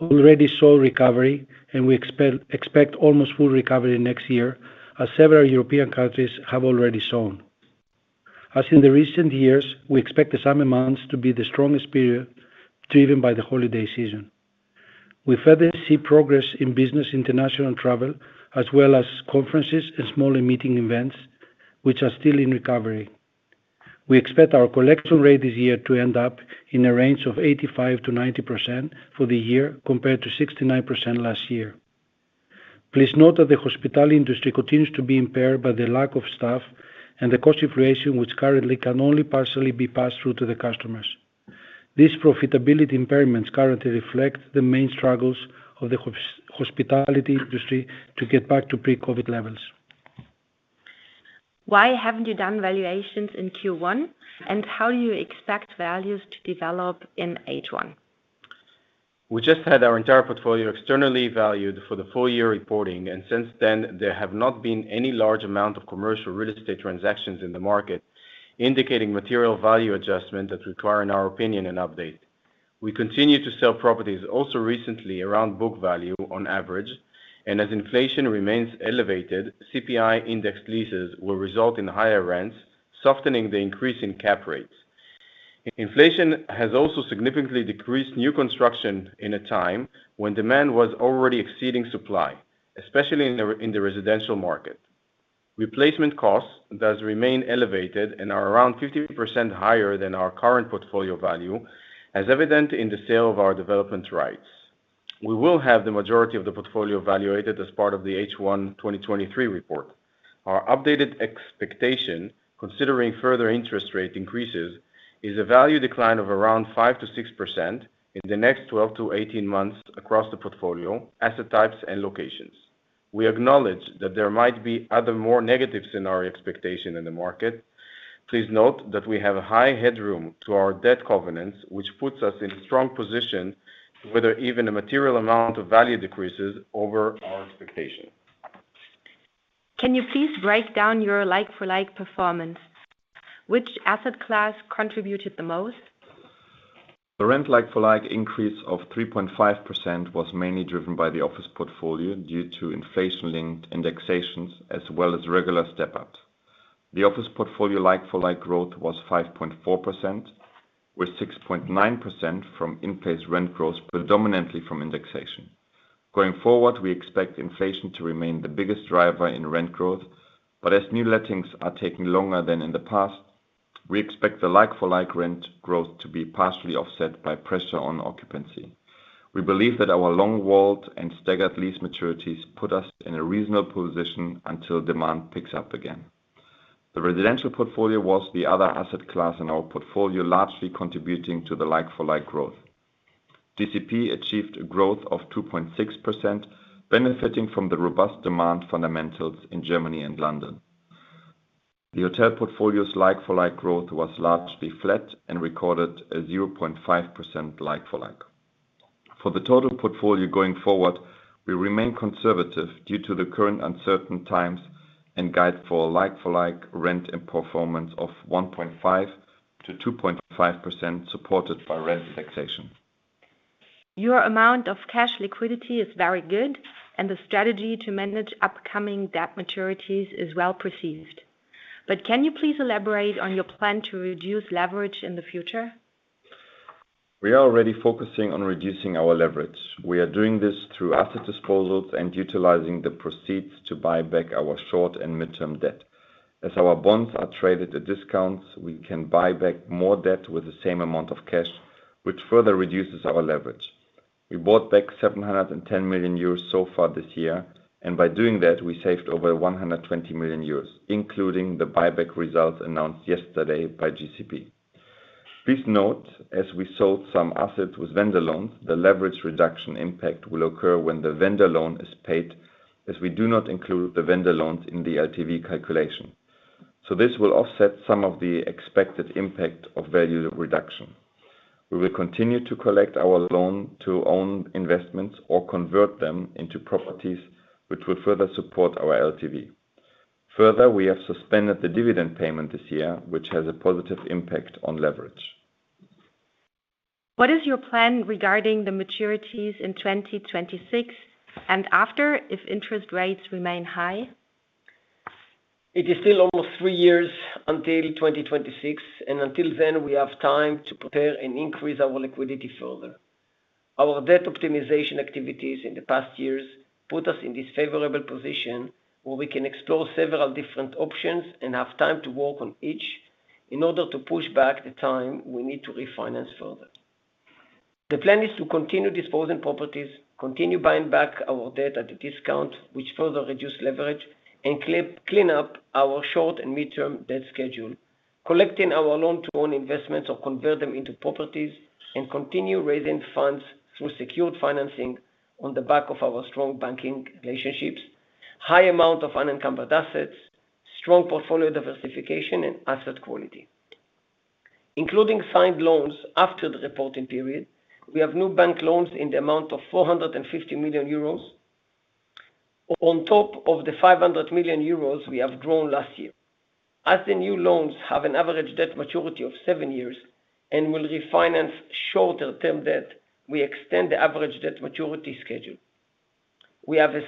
already saw recovery, and we expect almost full recovery next year, as several European countries have already shown. As in the recent years, we expect the summer months to be the strongest period, driven by the holiday season. We further see progress in business international travel, as well as conferences and smaller meeting events, which are still in recovery. We expect our collection rate this year to end up in a range of 85%-90% for the year, compared to 69% last year. Please note that the hospitality industry continues to be impaired by the lack of staff and the cost inflation, which currently can only partially be passed through to the customers. These profitability impairments currently reflect the main struggles of the hospitality industry to get back to pre-COVID levels. Why haven't you done valuations in Q1? How do you expect values to develop in H1? We just had our entire portfolio externally valued for the full year reporting. Since then, there have not been any large amount of commercial real estate transactions in the market, indicating material value adjustment that require, in our opinion, an update. We continue to sell properties also recently around book value on average. As inflation remains elevated, CPI-indexed leases will result in higher rents, softening the increase in cap rates. Inflation has also significantly decreased new construction in a time when demand was already exceeding supply, especially in the residential market. Replacement costs thus remain elevated and are around 50% higher than our current portfolio value, as evident in the sale of our development rights. We will have the majority of the portfolio evaluated as part of the H1 2023 report. Our updated expectation, considering further interest rate increases, is a value decline of around 5%-6% in the next 12-18 months across the portfolio, asset types and locations. We acknowledge that there might be other more negatives in our expectation in the market. Please note that we have a high headroom to our debt covenants, which puts us in a strong position, whether even a material amount of value decreases over our expectation. Can you please break down your like-for-like performance? Which asset class contributed the most? The rent like-for-like increase of 3.5% was mainly driven by the office portfolio, due to inflation-linked indexations as well as regular step-up. The office portfolio like-for-like growth was 5.4%, with 6.9% from in-place rent growth, predominantly from indexation. Going forward, we expect inflation to remain the biggest driver in rent growth, but as new lettings are taking longer than in the past, we expect the like-for-like rent growth to be partially offset by pressure on occupancy. We believe that our long WALT and staggered lease maturities put us in a reasonable position until demand picks up again. The residential portfolio was the other asset class in our portfolio, largely contributing to the like-for-like growth. GCP achieved a growth of 2.6%, benefiting from the robust demand fundamentals in Germany and London. The hotel portfolio's like-for-like growth was largely flat and recorded a 0.5% like-for-like. For the total portfolio going forward, we remain conservative due to the current uncertain times and guide for like-for-like rent and performance of 1.5%-2.5%, supported by rent indexation. Your amount of cash liquidity is very good, and the strategy to manage upcoming debt maturities is well perceived. Can you please elaborate on your plan to reduce leverage in the future? We are already focusing on reducing our leverage. We are doing this through asset disposals and utilizing the proceeds to buy back our short and midterm debt. As our bonds are traded at discounts, we can buy back more debt with the same amount of cash, which further reduces our leverage. We bought back 710 million euros so far this year, by doing that, we saved over 120 million euros, including the buyback results announced yesterday by GCP. Please note, as we sold some assets with vendor loans, the leverage reduction impact will occur when the vendor loan is paid, as we do not include the vendor loans in the LTV calculation. This will offset some of the expected impact of value reduction. We will continue to collect our loan to own investments or convert them into properties, which will further support our LTV. We have suspended the dividend payment this year, which has a positive impact on leverage. What is your plan regarding the maturities in 2026 and after, if interest rates remain high? It is still almost three years until 2026, and until then, we have time to prepare and increase our liquidity further. Our debt optimization activities in the past years put us in this favorable position, where we can explore several different options and have time to work on each in order to push back the time we need to refinance further. The plan is to continue disposing properties, continue buying back our debt at a discount, which further reduce leverage, and clean up our short and midterm debt schedule. Collecting our loan to own investments or convert them into properties, and continue raising funds through secured financing on the back of our strong banking relationships, high amount of unencumbered assets, strong portfolio diversification, and asset quality. Including signed loans after the reporting period, we have new bank loans in the amount of 450 million euros, on top of the 500 million euros we have grown last year. The new loans have an average debt maturity of seven years and will refinance shorter-term debt, we extend the average debt maturity schedule. We have a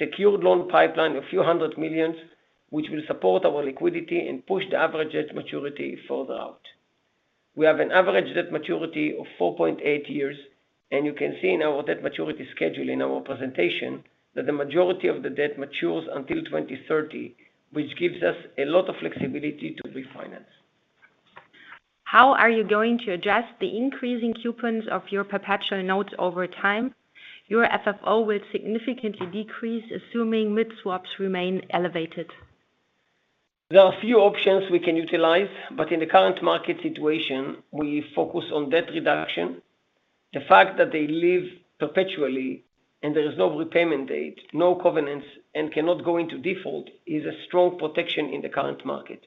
secured loan pipeline of few hundred millions, which will support our liquidity and push the average debt maturity further out. We have an average debt maturity of 4.8 years, you can see in our debt maturity schedule in our presentation, that the majority of the debt matures until 2030, which gives us a lot of flexibility to refinance. How are you going to address the increasing coupons of your perpetual notes over time? Your FFO will significantly decrease, assuming mid-swaps remain elevated. There are a few options we can utilize. In the current market situation, we focus on debt reduction. The fact that they live perpetually, there is no repayment date, no covenants, and cannot go into default, is a strong protection in the current market.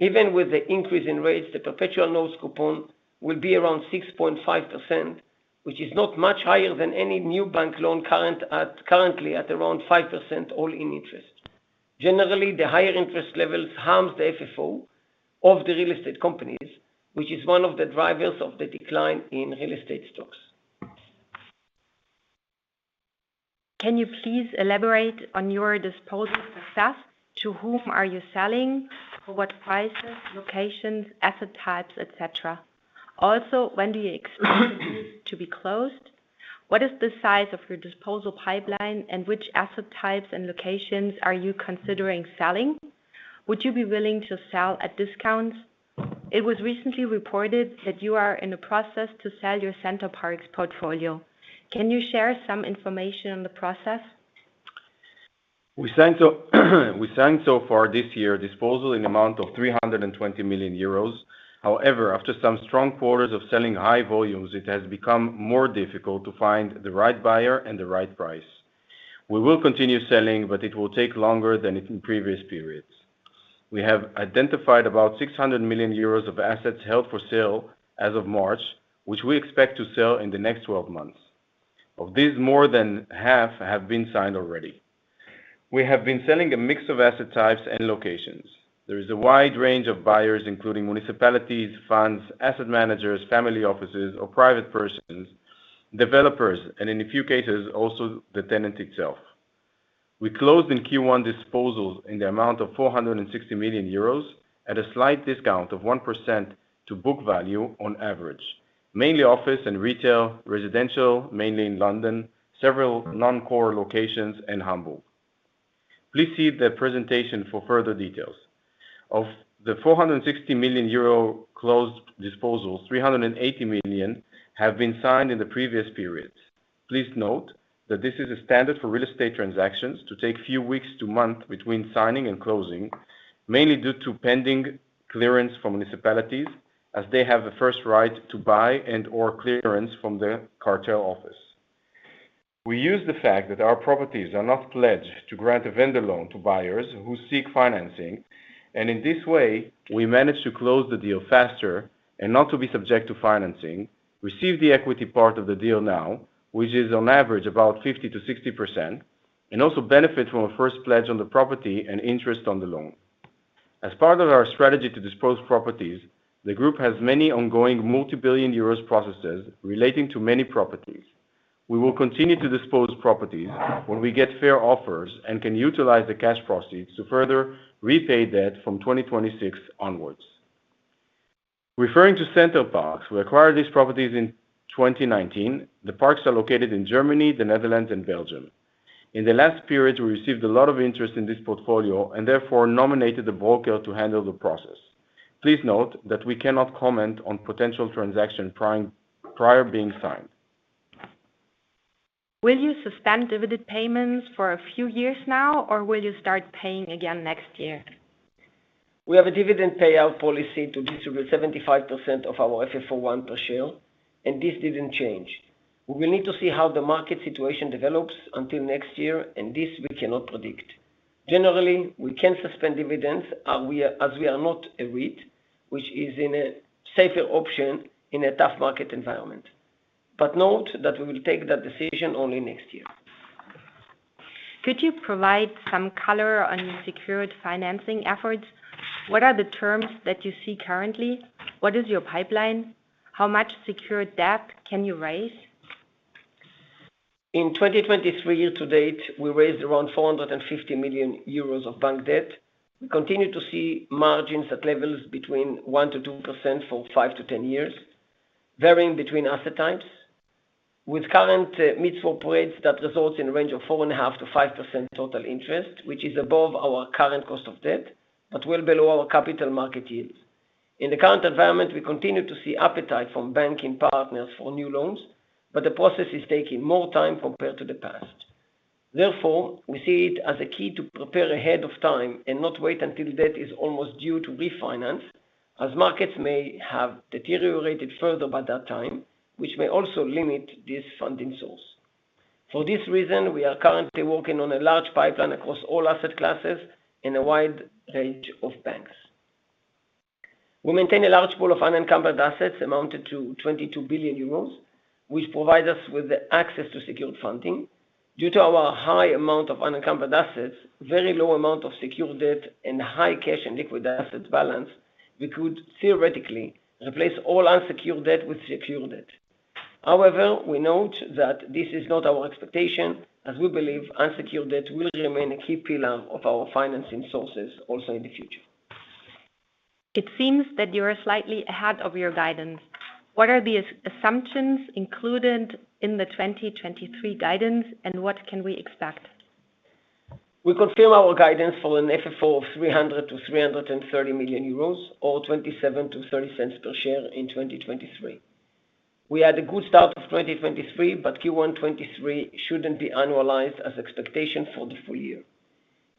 Even with the increase in rates, the perpetual notes coupon will be around 6.5%, which is not much higher than any new bank loan currently at around 5%, all-in interest. Generally, the higher interest levels harm the FFO of the real estate companies, which is one of the drivers of the decline in real estate stocks. Can you please elaborate on your disposal success? To whom are you selling? For what prices, locations, asset types, et cetera. When do you expect to be closed? What is the size of your disposal pipeline, and which asset types and locations are you considering selling? Would you be willing to sell at discounts? It was recently reported that you are in the process to sell your Center Parcs portfolio. Can you share some information on the process? We signed so far this year, disposal in amount of 320 million euros. After some strong quarters of selling high volumes, it has become more difficult to find the right buyer and the right price. We will continue selling, it will take longer than in previous periods. We have identified about 600 million euros of assets held for sale as of March, which we expect to sell in the next 12 months. Of these, more than half have been signed already. We have been selling a mix of asset types and locations. There is a wide range of buyers, including municipalities, funds, asset managers, family offices or private persons, developers, and in a few cases, also the tenant itself. We closed in Q1 disposals in the amount of 460 million euros at a slight discount of 1% to book value on average. Mainly office and retail, residential, mainly in London, several non-core locations in Hamburg. Please see the presentation for further details. Of the 460 million euro closed disposals, 380 million have been signed in the previous periods. Please note that this is a standard for real estate transactions to take few weeks to month between signing and closing, mainly due to pending clearance from municipalities, as they have a first right to buy and or clearance from the cartel office. We use the fact that our properties are not pledged to grant a vendor loan to buyers who seek financing, and in this way, we manage to close the deal faster and not to be subject to financing, receive the equity part of the deal now, which is on average about 50%-60%, and also benefit from a first pledge on the property and interest on the loan. As part of our strategy to dispose properties, the group has many ongoing multi-billion euros processes relating to many properties. We will continue to dispose properties when we get fair offers and can utilize the cash proceeds to further repay debt from 2026 onwards. Referring to Center Parcs, we acquired these properties in 2019. The parks are located in Germany, the Netherlands, and Belgium. In the last period, we received a lot of interest in this portfolio and therefore nominated a broker to handle the process. Please note that we cannot comment on potential transaction prior being signed. Will you suspend dividend payments for a few years now, or will you start paying again next year? We have a dividend payout policy to distribute 75% of our FFO I per share. This didn't change. We will need to see how the market situation develops until next year. This we cannot predict. Generally, we can suspend dividends, as we are not a REIT, which is in a safer option in a tough market environment. Note that we will take that decision only next year. Could you provide some color on your secured financing efforts? What are the terms that you see currently? What is your pipeline? How much secured debt can you raise? In 2023, year-to-date, we raised around 450 million euros of bank debt. We continue to see margins at levels between 1%-2% for 5-10 years, varying between asset types. With current mid-swap rates, that results in a range of 4.5%-5% total interest, which is above our current cost of debt, but well below our capital market yields. In the current environment, we continue to see appetite from banking partners for new loans, but the process is taking more time compared to the past. Therefore, we see it as a key to prepare ahead of time and not wait until debt is almost due to refinance, as markets may have deteriorated further by that time, which may also limit this funding source. For this reason, we are currently working on a large pipeline across all asset classes in a wide range of banks. We maintain a large pool of unencumbered assets amounted to 22 billion euros, which provide us with the access to secured funding. Due to our high amount of unencumbered assets, very low amount of secured debt, and high cash and liquid assets balance, we could theoretically replace all unsecured debt with secured debt. We note that this is not our expectation, as we believe unsecured debt will remain a key pillar of our financing sources also in the future. It seems that you are slightly ahead of your guidance. What are the assumptions included in the 2023 guidance, and what can we expect? We confirm our guidance for an FFO of 300 million-330 million euros, or 0.27-0.30 per share in 2023. We had a good start of 2023, Q1 2023 shouldn't be annualized as expectation for the full year.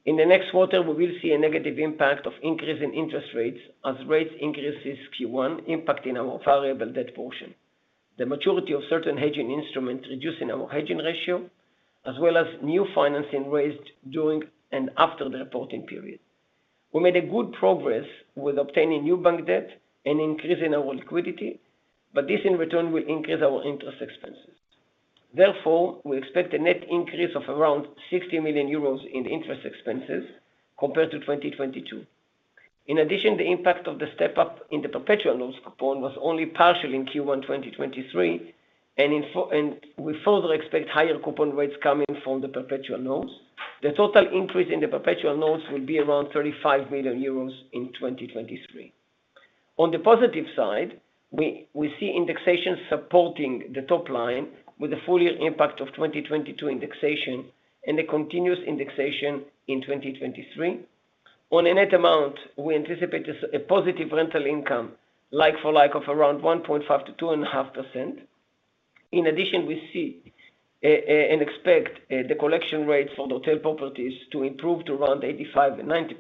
In the next quarter, we will see a negative impact of increase in interest rates as rates increases Q1, impacting our variable debt portion. The maturity of certain hedging instruments, reducing our hedging ratio, as well as new financing raised during and after the reporting period. We made a good progress with obtaining new bank debt and increasing our liquidity, this in return, will increase our interest expenses. Therefore, we expect a net increase of around 60 million euros in interest expenses compared to 2022. In addition, the impact of the step up in the perpetual loans coupon was only partial in Q1 2023. We further expect higher coupon rates coming from the perpetual loans. The total increase in the perpetual loans will be around 35 million euros in 2023. On the positive side, we see indexation supporting the top line with the full year impact of 2022 indexation and the continuous indexation in 2023. On a net amount, we anticipate a positive rental income, like-for-like, of around 1.5%-2.5%. In addition, we see and expect the collection rates for the hotel properties to improve to around 85% and 90%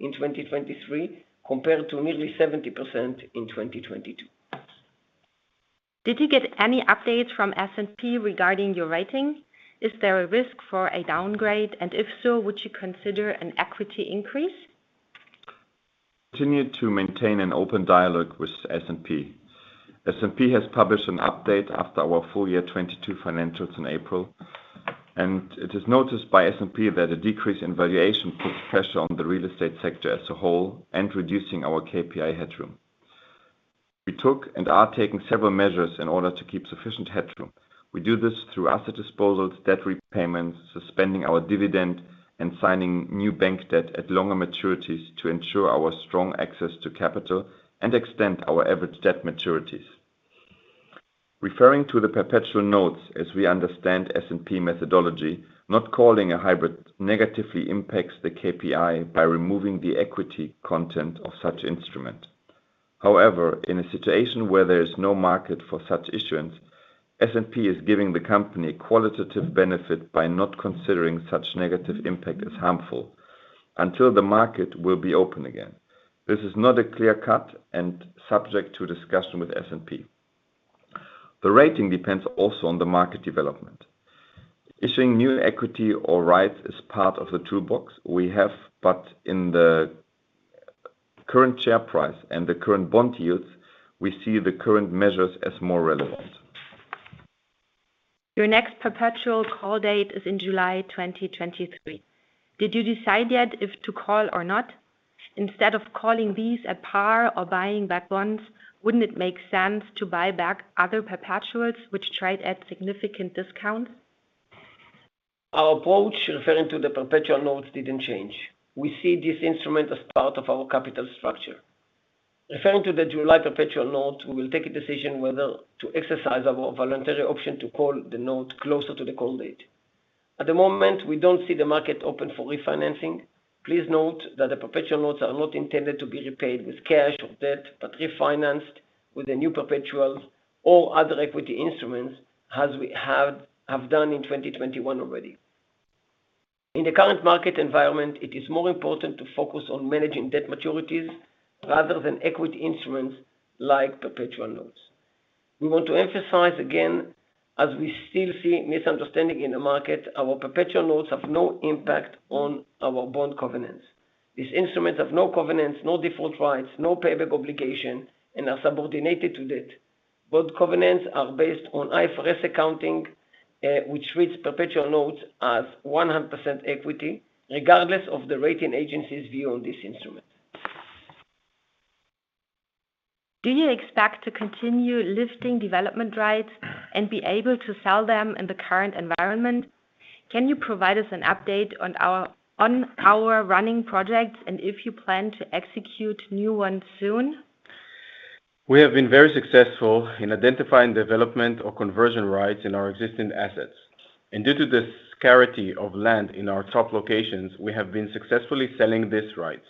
in 2023, compared to nearly 70% in 2022. Did you get any updates from S&P regarding your rating? Is there a risk for a downgrade, and if so, would you consider an equity increase? Continue to maintain an open dialogue with S&P. S&P has published an update after our full year 2022 financials in April, and it is noticed by S&P that a decrease in valuation puts pressure on the real estate sector as a whole, and reducing our KPI headroom. We took and are taking several measures in order to keep sufficient headroom. We do this through asset disposals, debt repayments, suspending our dividend, and signing new bank debt at longer maturities to ensure our strong access to capital and extend our average debt maturities. Referring to the perpetual notes, as we understand S&P methodology, not calling a hybrid negatively impacts the KPI by removing the equity content of such instrument. However, in a situation where there is no market for such issuance, S&P is giving the company a qualitative benefit by not considering such negative impact as harmful, until the market will be open again. This is not a clear-cut and subject to discussion with S&P. The rating depends also on the market development. Issuing new equity or rights is part of the toolbox we have, but in the current share price and the current bond yields, we see the current measures as more relevant. Your next perpetual call date is in July 2023. Did you decide yet if to call or not? Instead of calling these at par or buying back bonds, wouldn't it make sense to buy back other perpetuals which trade at significant discounts? Our approach referring to the perpetual notes didn't change. We see this instrument as part of our capital structure. Referring to the July perpetual note, we will take a decision whether to exercise our voluntary option to call the note closer to the call date. At the moment, we don't see the market open for refinancing. Please note that the perpetual notes are not intended to be repaid with cash or debt, but refinanced with a new perpetual or other equity instruments, as we have done in 2021 already. In the current market environment, it is more important to focus on managing debt maturities rather than equity instruments like perpetual notes. We want to emphasize, again, as we still see misunderstanding in the market, our perpetual notes have no impact on our bond covenants. These instruments have no covenants, no default rights, no payback obligation, and are subordinated to debt. Both covenants are based on IFRS accounting, which treats perpetual notes as 100% equity, regardless of the rating agency's view on this instrument. Do you expect to continue lifting development rights and be able to sell them in the current environment? Can you provide us an update on our running projects and if you plan to execute new ones soon? We have been very successful in identifying development or conversion rights in our existing assets. Due to the scarcity of land in our top locations, we have been successfully selling these rights.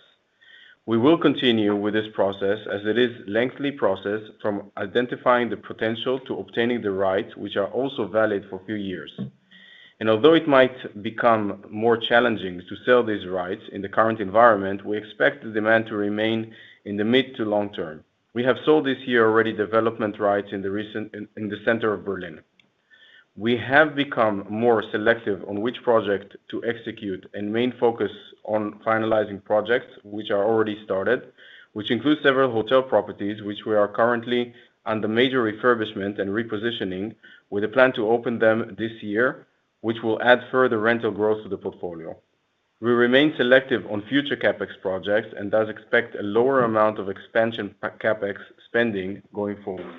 We will continue with this process as it is lengthy process from identifying the potential to obtaining the rights, which are also valid for a few years. Although it might become more challenging to sell these rights in the current environment, we expect the demand to remain in the mid-to-long-term. We have sold this year already development rights in the center of Berlin. We have become more selective on which project to execute and main focus on finalizing projects which are already started, which includes several hotel properties, which we are currently under major refurbishment and repositioning with a plan to open them this year, which will add further rental growth to the portfolio. We remain selective on future CapEx projects and thus expect a lower amount of expansion CapEx spending going forward.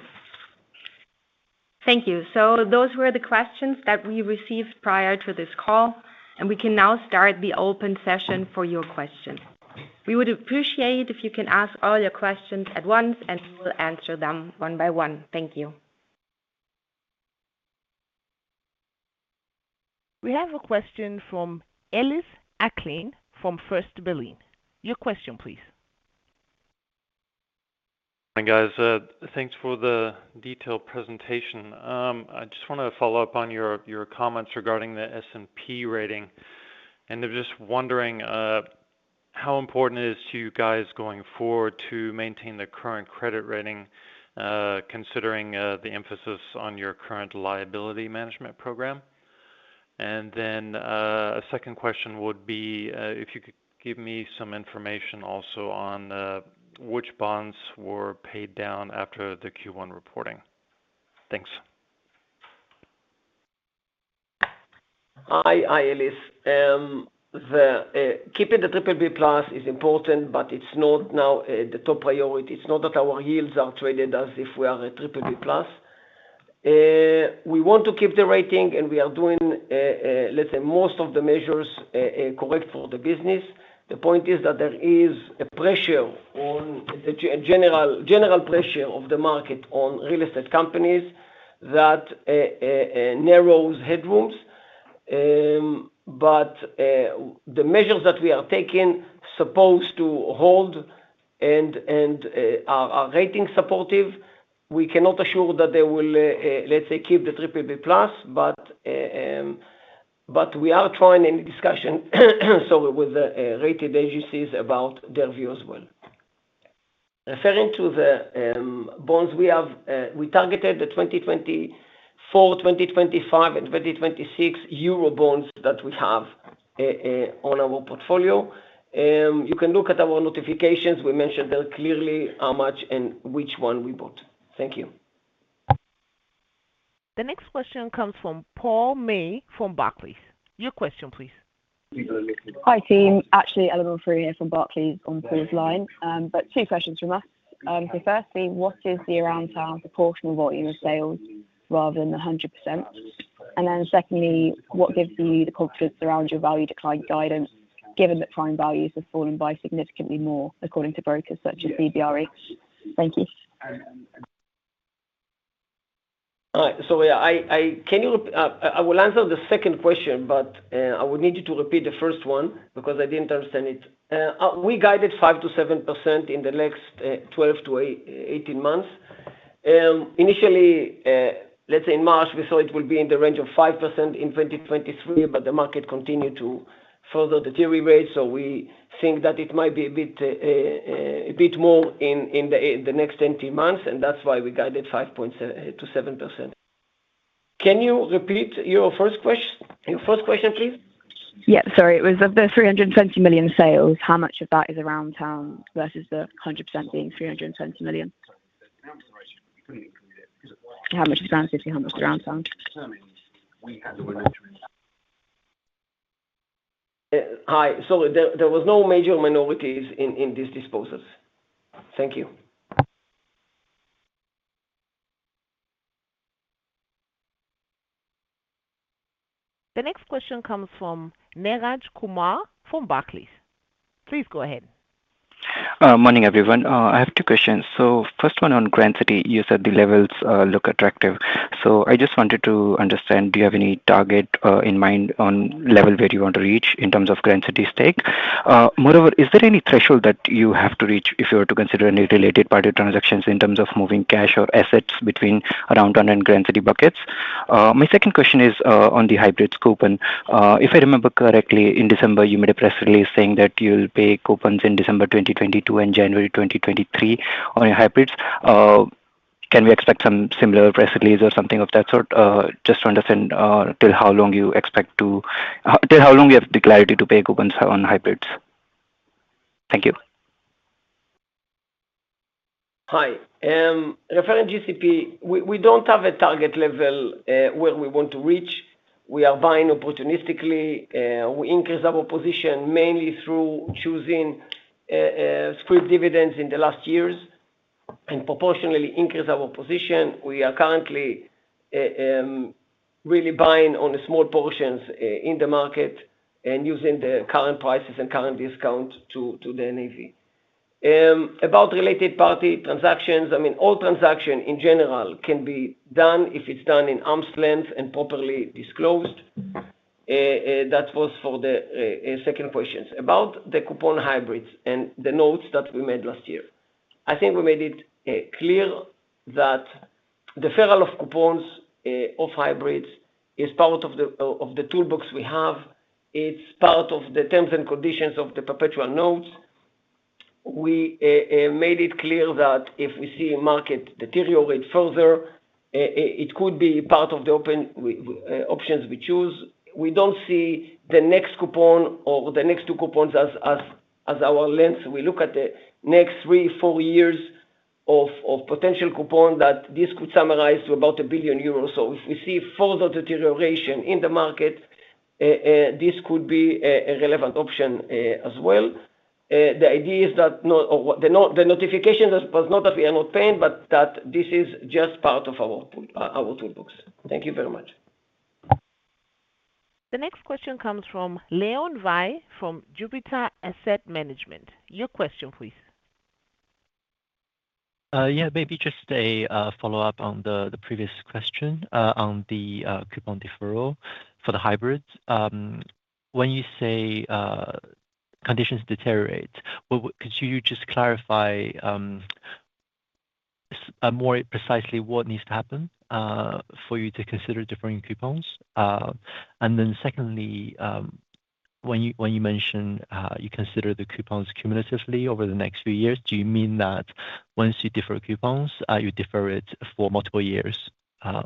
Thank you. Those were the questions that we received prior to this call, and we can now start the open session for your questions. We would appreciate if you can ask all your questions at once, and we will answer them one by one. Thank you. We have a question from Ellis Acklin, from First Berlin. Your question, please. Hi, guys. Thanks for the detailed presentation. I just want to follow up on your comments regarding the S&P rating, and I'm just wondering how important is it to you guys going forward to maintain the current credit rating, considering the emphasis on your current liability management program? A second question would be if you could give me some information also on which bonds were paid down after the Q1 reporting? Thanks. Hi, Ellis. Keeping the BBB+ is important, but it's not now the top priority. It's not that our yields are traded as if we are a BBB+. We want to keep the rating, and we are doing, let's say, most of the measures correct for the business. The point is that there is a pressure on the general pressure of the market on real estate companies that narrows headrooms. The measures that we are taking supposed to hold and are rating supportive, we cannot assure that they will, let's say, keep the BBB+, but we are trying any discussion with the rated agencies about their view as well. Referring to the bonds we have, we targeted the 2024, 2025, and 2026 euro bonds that we have on our portfolio. You can look at our notifications. We mentioned there clearly how much and which one we bought. Thank you. The next question comes from Paul May, from Barclays. Your question, please. Hi, team. Actually, Eleanor Frew here from Barclays on Paul's line. Two questions from us. Firstly, what is the Aroundtown proportional volume of sales rather than the 100%? Secondly, what gives you the confidence around your value decline guidance, given that prime values have fallen by significantly more according to brokers such as CBRE? Thank you. Yeah, I. Can you I will answer the second question, but I would need you to repeat the first one because I didn't understand it. We guided 5%-7% in the next 12-18 months. Initially, let's say in March, we saw it would be in the range of 5% in 2023, but the market continued to further deteriorate, so we think that it might be a bit, a bit more in the next 18 months, and that's why we guided 5%-7%. Can you repeat your first question, please? Yeah. Sorry, it was of the 320 million sales, how much of that is Aroundtown versus the 100% being 320 million? How much is Aroundtown? [inaudible] Hi. There was no major minorities in these disposals. Thank you. The next question comes from Neeraj Kumar, from Barclays. Please go ahead. Morning, everyone. I have two questions. First one on Grand City, you said the levels look attractive. I just wanted to understand, do you have any target in mind on level where you want to reach in terms of Grand City stake? Moreover, is there any threshold that you have to reach if you were to consider any related party transactions in terms of moving cash or assets between Aroundtown and Grand City buckets? My second question is on the hybrid scope, and if I remember correctly, in December, you made a press release saying that you'll pay coupons in December 2022 and January 2023 on your hybrids. Can we expect some similar press release or something of that sort, just to understand, till how long you expect to, till how long you have the clarity to pay coupons on hybrids? Thank you. Hi. Referring to GCP, we don't have a target level where we want to reach. We are buying opportunistically, we increase our position mainly through choosing scrip dividends in the last years and proportionally increase our position. We are currently really buying on the small portions in the market and using the current prices and current discount to the NAV. About related party transactions, I mean, all transaction, in general, can be done if it's done in arm's length and properly disclosed. That was for the second questions. About the coupon hybrids and the notes that we made last year, I think we made it clear that the sale of coupons of hybrids is part of the toolbox we have. It's part of the terms and conditions of the perpetual notes. We made it clear that if we see a market deteriorate further, it could be part of the open options we choose. We don't see the next coupon or the next two coupons as our lens. We look at the next three, four years of potential coupon that this could summarize to about a billion euros. If we see further deterioration in the market, this could be a relevant option as well. The idea is that no, the notification was not that we are not paying, but that this is just part of our tool, our toolbox. Thank you very much. The next question comes from Leon Wei, from Jupiter Asset Management. Your question, please. Yeah, maybe just a follow-up on the previous question on the coupon deferral for the hybrids. When you say conditions deteriorate, what, could you just clarify more precisely what needs to happen for you to consider deferring coupons? Secondly, when you mentioned, you consider the coupons cumulatively over the next few years, do you mean that once you defer coupons, you defer it for multiple years,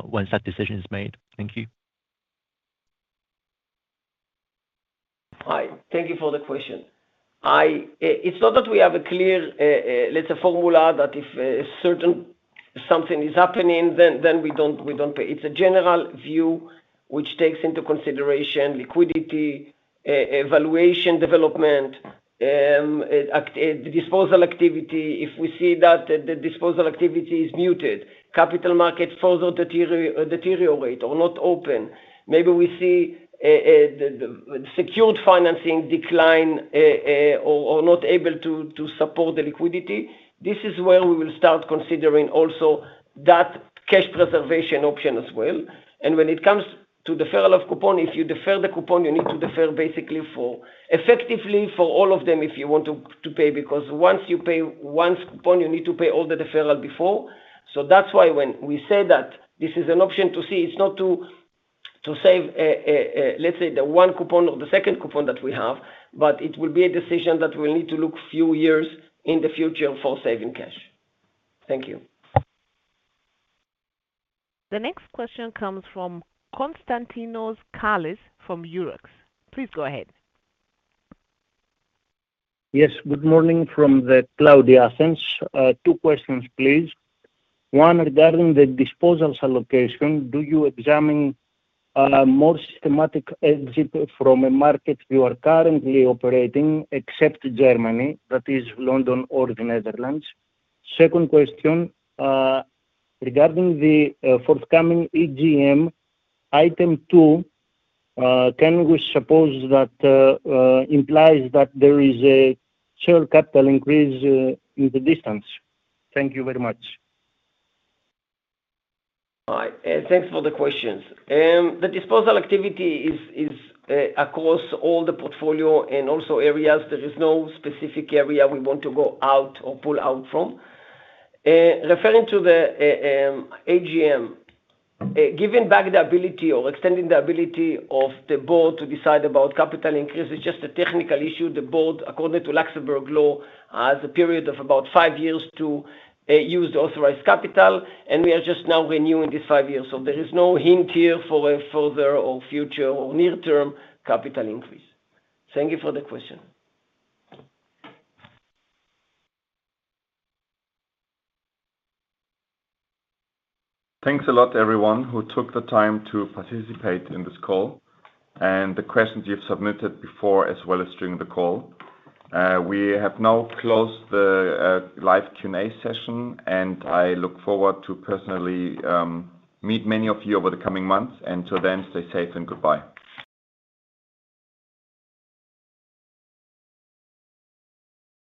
once that decision is made? Thank you. Hi, thank you for the question. It's not that we have a clear, let's say, formula, that if a certain something is happening, then we don't pay. It's a general view which takes into consideration liquidity, evaluation, development, disposal activity. If we see that the disposal activity is muted, capital markets further deteriorate or not open, maybe we see the secured financing decline or not able to support the liquidity. This is where we will start considering also that cash preservation option as well. When it comes to deferral of coupon, if you defer the coupon, you need to defer basically effectively for all of them, if you want to pay, because once you pay one coupon, you need to pay all the deferral before. That's why when we say that this is an option to see, it's not to save, let's say, the one coupon or the second coupon that we have, but it will be a decision that we'll need to look few years in the future for saving cash. Thank you. The next question comes from [Konstantinos Kalis] from EUROXX. Please go ahead. Yes, good morning from the cloudy Athens. Two questions, please. One, regarding the disposals allocation, do you examine more systematic exit from a market you are currently operating, except Germany, that is London or the Netherlands? Second question, regarding the forthcoming AGM, item two, can we suppose that implies that there is a share capital increase in the distance? Thank you very much. Hi, thanks for the questions. The disposal activity is across all the portfolio and also areas. There is no specific area we want to go out or pull out from. Referring to the AGM, giving back the ability or extending the ability of the board to decide about capital increase is just a technical issue. The board, according to Luxembourg law, has a period of about five years to use the authorized capital, and we are just now renewing this five years. There is no hint here for a further or future or near-term capital increase. Thank you for the question. Thanks a lot, everyone, who took the time to participate in this call, and the questions you've submitted before, as well as during the call. We have now closed the live Q&A session, and I look forward to personally meet many of you over the coming months. Till then, stay safe and goodbye.